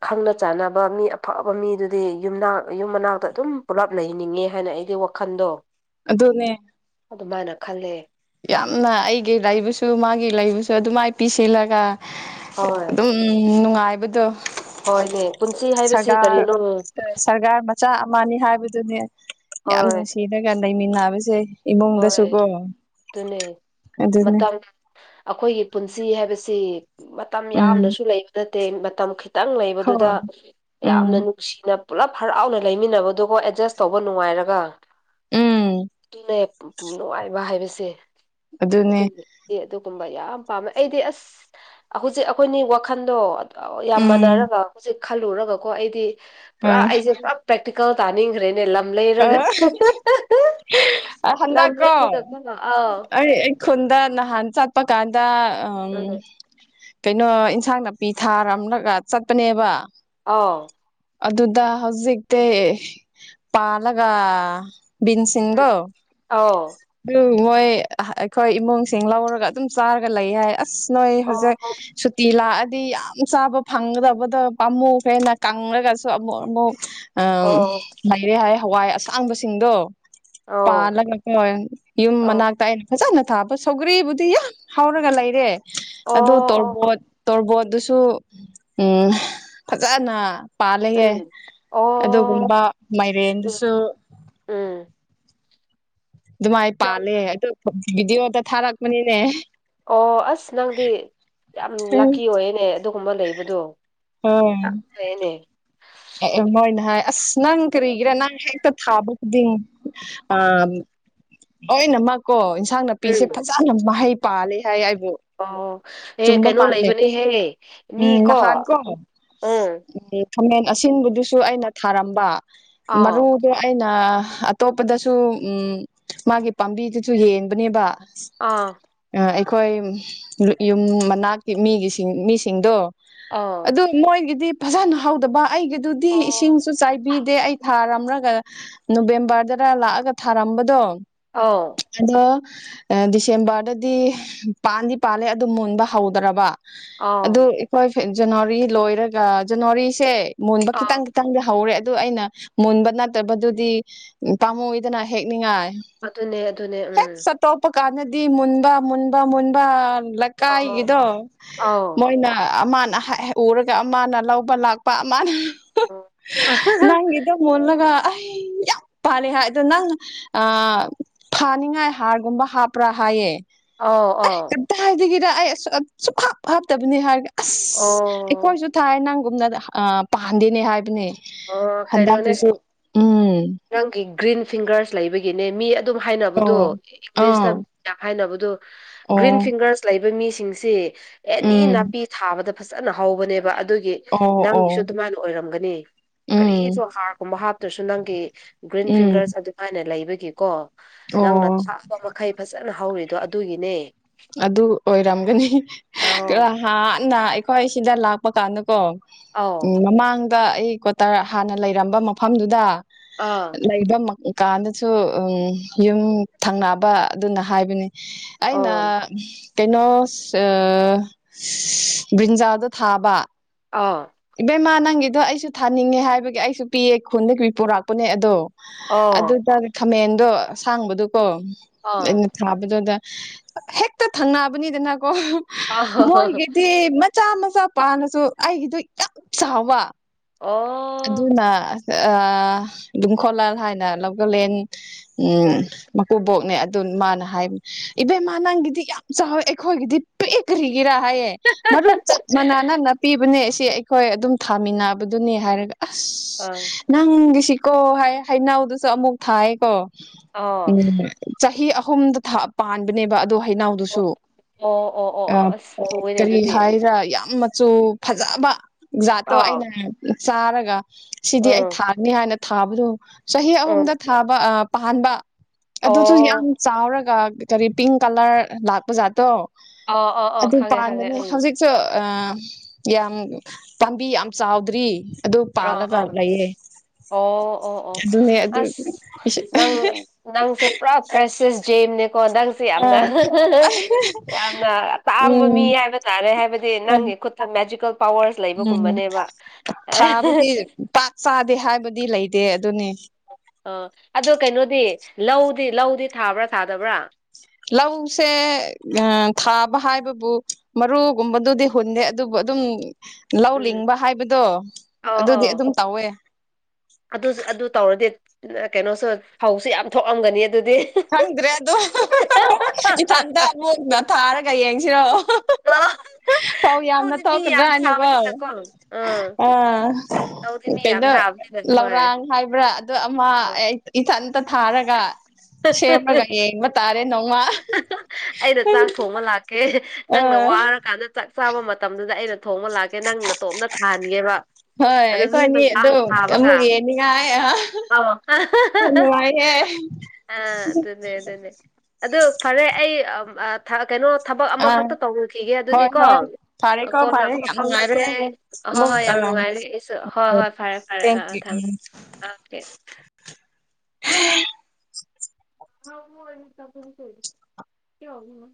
ꯈꯪꯅ ꯆꯥꯟꯅꯕ ꯃꯤ ꯑꯐꯕ ꯃꯤꯗꯨꯗꯤ ꯌꯨꯝꯅꯥꯛ ꯌꯨꯝ ꯃꯅꯥꯛꯇ ꯑꯗꯨꯝ ꯄꯨꯂꯞ ꯂꯩꯍꯅꯤꯡꯉꯦ ꯍꯥꯏꯅ ꯑꯩꯒꯤ ꯋꯥꯈꯟꯗꯣ ꯑꯗꯨꯗꯅꯦ ꯑꯗꯨꯃꯥꯏꯅ ꯈꯜꯂꯦ ꯌꯥꯝꯅ ꯑꯩꯒꯤ ꯂꯩꯕꯁꯨ ꯃꯥꯒꯤ ꯂꯩꯕꯁꯨ ꯑꯗꯨꯃꯥꯏꯅ ꯄꯤꯁꯤꯜꯂꯒ ꯍꯣꯏ ꯑꯗꯨꯝ ꯅꯨꯡꯉꯥꯏꯕꯗꯣ ꯍꯣꯏꯅꯦ ꯄꯨꯟꯁꯤ ꯍꯥꯏꯕꯁꯤ ꯁꯔꯀꯥꯔ ꯀꯔꯤꯅꯣ ꯁꯔꯀꯥꯔ ꯃꯆꯥ ꯑꯃꯅꯤ ꯍꯥꯏꯕ ꯑꯗꯨꯅꯦ ꯌꯥꯝ ꯍꯣꯏ ꯅꯨꯡꯁꯤꯔꯒ ꯂꯩꯃꯤꯟꯅꯕꯁꯦ ꯏꯃꯨꯡꯗꯁꯨ ꯍꯣꯏ ꯀꯣ ꯑꯗꯨꯅꯦ ꯃꯇꯝ ꯑꯈꯣꯏꯒꯤ ꯄꯨꯟꯁ ꯁꯤ ꯍꯥꯏꯕꯁꯤ ꯃꯇꯝ ꯎꯝ ꯌꯥꯝꯅꯁꯨ ꯂꯩꯕ ꯅꯠꯇꯦ ꯃꯇꯝ ꯗꯤ ꯈꯤꯇꯪ ꯂꯩꯕꯗꯨꯗ ꯍꯣꯏ ꯎꯝ ꯌꯥꯝꯅ ꯅꯨꯡꯁꯤꯅ ꯄꯨꯂꯞ ꯍꯔꯥꯎꯅ ꯂꯩꯃꯤꯟꯅꯕꯗꯨꯒꯣ ꯑꯦꯗꯖꯁ ꯇꯧꯕ ꯅꯨꯡꯉꯥꯏꯔꯒ ꯎꯝ ꯑꯗꯨꯅꯦ ꯅꯨꯡꯉꯥꯏꯕ ꯍꯥꯏꯕꯁꯦ ꯑꯗꯨꯅꯦ <unintelligible> ꯑꯗꯨꯛ ꯗꯨꯨꯝꯕ ꯌꯥꯝ ꯄꯥꯝꯃꯦ ꯑꯩꯗꯤ ꯑꯁ ꯍꯧꯖꯤꯛ ꯑꯩꯈꯣꯏꯅꯤ ꯋꯥꯈꯟꯗꯣ ꯌꯥꯝ ꯎꯝ ꯃꯥꯟꯅꯔꯒ ꯍꯧꯖꯤꯛ ꯈꯜꯂꯨꯔꯒ ꯀꯣ ꯑꯩꯗꯤ ꯄꯨꯔꯥ ꯑꯩꯁꯦ ꯄꯨꯔꯥ ꯄ꯭ꯔꯦꯛꯇ ꯀꯥꯎ ꯇꯥꯅꯤꯡꯈ꯭ꯔꯦꯅꯦ ꯂꯝ ꯂꯩꯔꯒ <unintelligible> ꯈꯨꯗ ꯀꫭꯎ ꯂꯩꯔꯒ ꯑꯥꯎ ꯑꯩ ꯈꯨꯨꯟꯗꯥ ꯅꯍꯥꯟ ꯆꯠꯄ ꯀꯥꯟꯗ ꯑꯝ ꯎꯝ ꯀꯩꯅꯣ ꯏꯟꯁꯥꯡ ꯅꯥꯄꯤ ꯊꯥꯔꯝꯂꯒ ꯆꯠꯄꯅꯦꯕ ꯑꯧ ꯑꯗꯨꯗ ꯍꯧꯖꯤꯛꯇꯤ ꯄꯥꯜꯂꯒ ꯕꯤꯟ ꯁꯤꯡꯗꯣ ꯑꯥꯎ ꯇꯨ ꯃꯣꯏ ꯑꯩꯈꯣꯏ ꯏꯃꯨꯡꯁꯤꯡ ꯂꯧꯔꯒ ꯑꯗꯨꯝ ꯆꯥꯔꯒ ꯂꯩ ꯍꯥꯏ ꯑꯁ ꯅꯣꯏ ꯎꯝ ꯍꯧꯖꯤꯛ ꯑꯥꯎ ꯑꯣ ꯁꯨꯇꯤ ꯂꯥꯛꯑꯗꯤ ꯌꯥꯝ ꯆꯥꯕ ꯐꯪꯒꯗꯕꯗꯨ ꯄꯥꯝꯃꯨꯈ꯭ꯔ꯭ꯦꯅ ꯀ ꯍꯪꯂꯒꯁꯨ ꯑꯃꯨꯛ ꯑꯃꯨꯛ ꯑꯝ ꯑꯣ ꯂꯩꯔꯦ ꯍꯥꯏ ꯍꯋꯥꯏ ꯑꯁꯥꯡꯕꯁꯤꯡꯗꯣ ꯑꯧ ꯄꯥꯂꯒ ꯀꯣꯏ ꯌꯨꯝ ꯃꯅꯥꯛꯇ ꯑꯩ ꯐꯖꯥꯅ ꯊꯥꯕ ꯁꯧꯒ꯭ꯔꯤꯕꯨꯗꯤ ꯌꯥꯝ ꯍꯥꯎꯔꯒ ꯂꯩꯔꯦ ꯑꯗꯨ ꯑꯧ ꯑꯣ ꯑꯣ ꯇꯣꯔꯕꯣꯠ ꯇꯣꯔꯕꯣꯠꯇꯨꯁꯨ ꯎꯝ ꯐꯖꯥꯅ ꯄꯥꯜꯂꯦꯌꯦ ꯎꯝ ꯑꯣ ꯑꯗꯨꯒꯨꯝꯕ ꯎꯝ ꯃꯥꯏꯔꯦꯟꯗꯨꯁꯨ ꯎꯝ ꯗꯨꯃꯥꯏ ꯅꯪ ꯄꯥꯜꯂꯦ ꯑꯗꯨ ꯚꯤꯗꯤꯑꯣꯗ ꯊꯥꯔꯛꯄꯅꯤꯅꯦ ꯑꯣ ꯑꯁ ꯅꯪꯗꯤ ꯌꯥꯝ ꯂꯛꯀꯤ ꯑꯣꯏꯌꯦꯅꯦ ꯑꯗꯨꯒꯨꯝꯕ ꯂꯩꯕꯗꯣ ꯍꯣꯏ <unintelligible> ꯐꯌꯦꯅꯦ ꯑꯦ ꯃꯣꯏꯅ ꯍꯥꯏ ꯑꯁ ꯅꯪ ꯀꯔꯤꯒꯤꯔꯥ ꯅꯪ ꯍꯦꯛꯇ ꯊꯥꯕ ꯈꯨꯗꯤꯡ ꯑꯝ ꯂꯥꯏꯅꯃꯛꯀꯣ ꯏꯟꯁꯥꯡ ꯅꯥꯄꯤꯁꯦ ꯎꯝ ꯐꯖꯅ ꯃꯍꯩ ꯄꯥꯜꯂꯤ ꯍꯥꯏ ꯑꯥꯏ ꯑꯣ ꯑꯦ ꯀꯩꯅꯣ ꯂꯩꯕꯅꯦꯍꯦ ꯎꯝ ꯃꯤꯀꯣ ꯅꯍꯥꯟꯀꯣ ꯎꯝ <inaudible> ꯈꯥꯃꯦꯟ ꯑꯁꯤꯟꯕꯗꯨꯁꯨ ꯑꯩꯅ ꯊꯥꯔꯝꯕ ꯑꯥꯎ ꯃꯔꯨꯗꯣ ꯑꯩꯅ ꯑꯇꯣꯞꯄꯗꯁꯨ ꯎꯝ ꯃꯥꯒꯤ ꯄꯥꯝꯕꯤꯗꯨꯖꯨ ꯌꯦꯡꯕꯅꯦꯕ ꯑꯥ ꯈꯣꯏ ꯌꯨꯝ ꯃꯅꯥꯛꯀꯤ ꯃꯤꯒꯤ ꯁꯤꯡ ꯃꯤꯁꯤꯡꯗꯣ ꯑꯥꯎ ꯑꯗꯨ ꯃꯣꯏꯒꯤꯗꯤ ꯐꯖꯥꯅ ꯍꯧꯗꯕ ꯑꯩꯒꯤꯗꯨꯗꯤ ꯑꯣ ꯏꯁꯤꯡꯁꯨ ꯆꯥꯏꯕꯤꯗꯦ ꯑꯩ ꯊꯥꯔꯝꯂꯒ ꯅꯣꯕꯦꯝꯕꯔꯗꯔ ꯂꯥꯛꯑꯒ ꯊꯥꯔꯝꯕꯗꯣ ꯑꯥꯎ ꯑꯗꯣ ꯑ ꯗꯤꯁꯦꯝꯕꯔꯗꯗꯤ ꯄꯥꯟꯗꯤ ꯄꯥꯜꯂꯦ ꯑꯗꯨ ꯃꯨꯟꯕ ꯍꯧꯗ꯭ꯔꯥꯕ ꯑꯗꯨ ꯑꯥꯎ ꯑꯩꯈꯣꯏ ꯖꯅꯋꯥꯔꯤ ꯂꯣꯏꯔꯒ ꯖꯅꯋꯥꯔꯤꯁꯦ ꯃꯣꯟꯕ ꯑꯥꯎ ꯈꯤꯇꯪ ꯈꯤꯇꯪꯗꯤ ꯍꯧꯔꯦ ꯑꯗꯨ ꯑꯩꯅ ꯃꯨꯟꯕ ꯅꯠꯇꯕꯗꯨꯗꯤ ꯎꯝ ꯄꯥꯝꯃꯨꯗꯅ ꯍꯦꯛꯅꯤꯡꯉꯥꯏ ꯑꯗꯨꯅꯦ ꯑꯗꯨꯅꯦ ꯍꯦꯛ ꯎꯝ ꯆꯇꯣꯄ ꯀꯥꯟꯗꯗꯤ ꯃꯟꯕꯥ ꯃꯟꯕꯥ ꯃꯟꯕꯥ ꯑꯥꯎ ꯂꯥꯀꯥꯏꯒꯤꯗꯣ ꯑꯥꯎ ꯃꯣꯏꯅ ꯑꯃꯅ <unintelligible> ꯎꯔꯒ ꯑꯃꯅ ꯂꯧꯕ ꯂꯥꯛꯄ ꯑ ꯃꯥꯅ <unintelligible> ꯅꯪ ꯑꯥꯎ ꯒꯤꯗꯣ ꯃꯨꯜꯂꯒ <inaudible> ꯄꯥꯜꯂꯤ ꯍꯥꯏ ꯑꯗꯣ ꯅꯪ ꯑ ꯐꯥꯅꯤꯡꯉꯥꯏ ꯍꯥꯔꯒꯨꯝꯕ ꯍꯥꯞꯄ꯭ꯔꯥ ꯍꯥꯏꯌꯦ ꯑꯩ ꯑꯥꯎ ꯑꯝꯇ ꯍꯥꯏꯗꯒꯤꯔ ꯑꯩ ꯑꯁꯨ ꯁꯨꯛ ꯍꯥꯞ ꯍꯥꯞꯇꯕꯅꯤ ꯍꯥꯏꯒꯦ ꯑꯁ ꯑꯣ ꯑꯩꯈꯣꯏꯁꯨ ꯊꯥꯏ ꯅꯪꯒꯨꯝꯅ ꯑ ꯄꯥꯟꯗꯦꯅꯦ ꯍꯥꯏꯕꯅꯦ ꯑꯣ ꯀꯩꯅꯣꯅꯦ ꯍꯟꯗꯛꯀꯤꯁꯨ ꯎꯝ ꯅꯪꯒꯤ ꯒ꯭ꯔꯤꯟ ꯐꯤꯡꯒꯔꯁ ꯂꯩꯕꯒꯤꯅꯦ ꯃꯤ ꯑꯗꯨꯝ ꯑꯣ ꯍꯥꯏꯅꯕꯗꯨ ꯑꯥ ꯏꯪꯂꯤꯁꯇ ꯌꯥꯝ ꯍꯥꯏꯅꯕꯗꯨ ꯑꯣ ꯒ꯭ꯔꯤꯟ ꯐꯤꯡꯒꯔꯁ ꯂꯩꯕ ꯃꯤꯁꯤ ꯁꯤꯡꯁꯤ ꯑꯦꯅꯤ ꯎꯝ ꯅꯥꯄꯤ ꯊꯥꯕꯗ ꯐꯖꯅ ꯍꯧꯕꯅꯦꯕ ꯗꯨꯒꯤ ꯑꯣ ꯑꯣ ꯅꯪꯒꯤꯁꯨ ꯑꯗꯨꯃꯥꯏꯅ ꯑꯣꯏꯔꯝꯒꯅꯤ ꯎꯝ ꯀꯔꯤꯁꯨ ꯍꯥꯔꯒꯨꯝꯕ ꯍꯥꯞꯇ꯭ꯔꯁꯨ ꯅꯪꯒꯤ ꯒ꯭ꯔꯤꯟ ꯎꯝ ꯐꯤꯡꯒꯔꯁ ꯑꯗꯨꯃꯥꯏꯅ ꯂꯩꯕꯒꯤꯀꯣ ꯑꯣ ꯅꯪꯅ ꯊꯥꯕ ꯃꯈꯩ ꯐꯖꯅ ꯍꯧꯔꯤ ꯑꯗꯣ ꯑꯗꯨꯒꯤꯅꯦ ꯑꯗꯨ ꯑꯣꯏꯔꯝꯒꯅꯤ ꯑꯧ ꯍꯥꯟꯅ ꯑꯩꯈꯣꯏ ꯁꯤꯗ ꯂꯥꯛꯄ ꯀꯥꯟꯗꯀꯣ ꯎꯝ ꯑꯧ ꯃꯃꯥꯡꯗ ꯑꯩ ꯀꯣꯇꯔ ꯍꯥꯟꯅ ꯂꯩꯔꯝꯕ ꯃꯐꯝꯗꯨꯗ ꯑꯥ ꯂꯩꯕ ꯎ ꯀꯥꯟꯗꯁꯨ ꯎ ꯌꯨꯝ ꯊꯪꯅꯕ ꯑꯗꯨꯅ ꯍꯥꯏꯕꯅꯤ ꯑꯩꯅ ꯑꯣ ꯀꯩꯅꯣ ꯕ꯭ꯔꯤꯟꯖꯥꯗꯣ ꯊꯥꯕ ꯑꯥ ꯏꯕꯦꯝꯃ ꯅꯪꯒꯤꯗꯣ ꯑꯩꯁꯨ ꯊꯥꯅꯤꯡꯉꯦ ꯍꯥꯏꯕꯒꯤ ꯑꯩꯁꯨ ꯄꯤꯑ ꯈꯨꯟꯗꯒꯤ ꯄꯤ ꯄꯨꯣꯔꯛꯄꯅꯦ ꯑꯗꯣ ꯑꯣ ꯑꯗꯨꯗ ꯈꯥꯃꯦꯟꯗꯣ ꯑꯁꯥꯡꯕꯗꯨꯣꯀꯣ ꯑꯥ ꯑꯩꯅ ꯊꯥꯕꯗꯨꯗ ꯍꯦꯛꯛꯇ ꯊꯪꯅꯕꯅꯤꯗꯅꯀꯣ ꯑꯥ ꯃꯣꯏꯒꯦꯗꯤ ꯃꯆꯥ ꯃꯆꯥ ꯄꯥꯅꯁꯨ ꯑꯩꯒꯤꯗꯣ ꯌꯥꯝ ꯆꯥꯎꯕ ꯑꯣ ꯑꯗꯨꯅ ꯨꯡꯈꯣꯂꯜ ꯍꯥꯏꯅ ꯂꯧꯒꯂꯦꯟ ꯎ ꯃꯀꯨꯕꯣꯛꯅꯦ ꯑꯗꯨꯅ ꯃꯥꯅ ꯍꯥꯏꯕ ꯏꯕꯦꯝꯃ ꯅꯪꯒꯤꯗꯤ ꯌꯥꯝ ꯆꯥꯎꯋꯦ ꯑꯩꯈꯣꯏꯒꯤꯗꯤ ꯄꯦꯛꯈ꯭ꯔꯤꯒꯤꯔ ꯍꯥꯏꯌꯦ ꯑꯗꯨ ꯆꯞ ꯃꯥꯟꯅꯅꯥ ꯄꯤꯕꯅꯦ ꯑꯁꯤ ꯑꯩꯈꯣꯏ ꯑꯗꯨꯝ ꯊꯥꯃꯤꯟꯅꯕꯗꯨꯅꯤ ꯍꯥꯏꯔꯒ ꯑꯪ ꯑꯁ ꯅꯪꯒꯤꯁꯤꯀꯣ ꯍꯥꯏ ꯍꯩꯅꯎꯗꯨꯁꯨ ꯑꯃꯨꯛ ꯊꯥꯏꯌꯦꯀꯣ ꯑꯥ ꯎꯝ ꯆꯍꯤ ꯑꯍꯨꯝꯗ ꯄꯥꯟꯕꯅꯦꯕ ꯑꯗꯨ ꯑꯣ ꯍꯅꯥꯎꯗꯨꯁꯨ ꯑꯣ ꯑꯣ ꯑꯣ ꯑꯣ ꯑꯁ ꯊꯨꯏꯅꯦ ꯀꯔꯤ ꯑꯗꯨꯗꯤ ꯍꯥꯏꯔ꯭ꯔꯥ ꯌꯥꯝ ꯆꯨ ꯐꯖꯕ ꯖꯥꯠꯇꯣ ꯑꯥ ꯑꯩꯅ ꯆꯥꯔꯒ ꯁꯤꯗꯤ ꯑꯩ ꯎꯝ ꯊꯥꯅꯤ ꯍꯥꯏꯅ ꯊꯥꯕꯗꯣ ꯆꯍꯤ ꯑꯍꯨꯝꯗ ꯎꯝ ꯊꯥꯕ ꯄ ꯑꯗꯨꯁꯨ ꯌꯥꯝ ꯑꯣ ꯆꯥꯎꯔꯒ ꯀꯔꯤ ꯄꯤꯡ ꯀꯂꯔ ꯂꯥꯛꯄ ꯖꯥꯠꯇꯣ ꯑꯥ ꯑꯥ ꯑꯥ ꯑꯗꯨ ꯈꯪꯉꯦ ꯈꯪꯉꯦ ꯄꯗꯅꯦ ꯎꯝ ꯍꯧꯖꯤꯛꯁꯨ ꯑ ꯌꯥꯝ ꯄꯥꯝꯕꯤ ꯌꯥꯝ ꯆꯥꯎꯗ꯭ꯔꯤ ꯑꯗꯨ ꯑꯥ ꯄꯥꯜꯂꯒ ꯑꯥ ꯂꯩꯌꯦ ꯑꯣ ꯑꯣ ꯑꯣ ꯑꯗꯨꯅꯦ ꯑꯗꯨ ꯑꯁ ꯅꯪ ꯅꯪꯁꯦ ꯄꯨꯔꯥ ꯀ꯭ꯔꯥꯏꯁꯤꯁ ꯀꯣ ꯅꯪꯁꯦ ꯌꯥꯝꯅ ꯑꯥ ꯌꯥꯝꯅ ꯇꯥꯡꯕ ꯎꯝ ꯃꯤ ꯍꯥꯏꯕ ꯇꯥꯔꯦ ꯍꯥꯏꯕꯗꯤ ꯍꯣꯏ ꯅꯪꯒꯤ ꯈꯨꯠꯇ ꯃꯦꯖꯤꯀꯦꯜ ꯄꯋꯥꯔꯁ ꯎꯝ ꯂꯩꯕꯒꯨꯝꯕꯅꯦꯕ ꯊꯥꯕꯗꯤ ꯄꯥꯛ ꯆꯥꯗꯦ ꯍꯥꯏꯕꯗꯤ ꯂꯩꯇꯦ ꯑꯗꯨꯅꯤ ꯑ ꯑꯗꯨꯣ ꯀꯩꯅꯣꯗꯤ ꯂꯧꯗꯤ ꯂꯧꯗꯤ ꯊꯥꯕ꯭ꯔꯥ ꯊꯥꯗꯕ꯭ꯔꯥ ꯂꯧꯁꯦ ꯊꯥꯕ ꯍꯥꯏꯕꯕꯨ ꯃꯔꯨꯒꯨꯝꯕꯗꯨꯗꯤ ꯍꯨꯟꯗꯦ ꯑꯗꯨꯕꯨ ꯑꯗꯨꯝ ꯂꯧ ꯎꯝ ꯂꯤꯡꯕ ꯍꯥꯏꯕꯗꯣ ꯑꯧ ꯑꯗꯨꯗꯤ ꯑꯧ ꯑꯗꯨꯝ ꯇꯧꯋꯦ ꯑꯗꯨ ꯑꯗꯨ ꯇꯧꯔꯗꯤ ꯀꯩꯅꯣꯁꯨ ꯐꯧꯁꯨ ꯌꯥꯝ ꯊꯣꯛꯑꯝꯒꯅꯤ ꯑꯗꯨꯗꯤ ꯈꯪꯗ꯭ꯔꯦ ꯑꯗꯣ ꯀꯩ ꯌꯦꯡꯁꯤꯔꯣ ꯇꯧ- ꯌꯥꯝꯅ ꯂꯧꯗꯤ ꯃꯤ ꯊꯣꯛꯀꯗ꯭ꯔꯥ ꯌꯥꯝ ꯍꯥꯏꯅꯀꯣ ꯊꯥꯕꯅꯤꯅꯀꯣ ꯑꯥ ꯑꯥ ꯂꯧꯗꯤ ꯃꯤ ꯌꯥꯝ ꯀꯩꯅꯣ ꯊꯥꯕꯅꯤꯅ ꯍꯣꯏ ꯂꯧꯔꯥꯡ ꯍꯥꯏꯕ꯭ꯔꯥ ꯑꯗꯨ ꯑꯃ ꯑꯧ ꯏꯊꯇ ꯊꯥꯔꯒ ꯁꯦꯝꯃꯒ ꯌꯦꯡꯕ ꯇꯥꯔꯦ ꯅꯣꯡꯃ ꯑꯩꯩꯅ ꯆꯥꯛ ꯊꯣꯡꯕ ꯂꯥꯛꯀꯦ ꯑ ꯅꯪꯅ ꯋꯥꯔꯀꯥꯟꯗ ꯆꯥꯛ ꯆꯥꯕ ꯃꯇꯝꯗꯨꯗ ꯑꯩꯅ ꯊꯣꯡꯕ ꯂꯥꯛꯀꯦ ꯅꯪꯅ ꯇꯣꯞꯅ ꯊꯥꯍꯟꯒꯦꯕ ꯍꯣꯏ ꯑꯗꯨ ꯃꯤ ꯈꯣꯏꯅꯤ ꯃꯌꯥꯝ ꯑꯗꯨ ꯊꯥꯕꯒ ꯑꯃꯨꯛ ꯌꯦꯅꯤꯉꯥꯏ ꯌꯥꯝ ꯑꯧ ꯅꯨꯡꯉꯥꯏꯌꯦ ꯑ ꯑꯗꯨꯅꯦ ꯑꯗꯨꯅꯦ ꯑꯗꯨ ꯐꯔꯦ ꯑꯩ ꯀꯩꯅꯣ ꯊꯕꯛ ꯑꯥ ꯑꯃꯈꯛꯇ ꯇꯧꯅꯈꯤꯒꯦ ꯑꯗꯨꯗꯤ ꯍꯣꯏ ꯀꯣ ꯍꯣꯏ ꯐꯔꯦꯀꯣ ꯀꯣꯟꯅ ꯐꯔꯦ ꯌꯥꯝ ꯅꯨꯡꯉꯥꯏꯔꯦ ꯐꯥꯎꯅꯁꯦ ꯑꯣꯏ ꯑꯃꯨꯛ ꯍꯣꯏ ꯑ ꯌꯥꯝ ꯅꯨꯡꯉꯥꯏꯔꯦ ꯑꯩꯁꯨ ꯍꯣꯏ ꯍꯣꯏ ꯐꯔꯦ ꯐꯔꯦ ꯑꯥ ꯊꯦꯡꯀ꯭ꯌꯨ ꯎꯝ ꯊꯝꯃꯦ ꯊꯝ ꯑꯣꯀꯦ ꯍꯥꯎ ꯃ ꯑꯅꯤꯛꯇ ꯐ ꯀꯔꯤ ꯀ ꯋꯥ ꯑꯗꯨ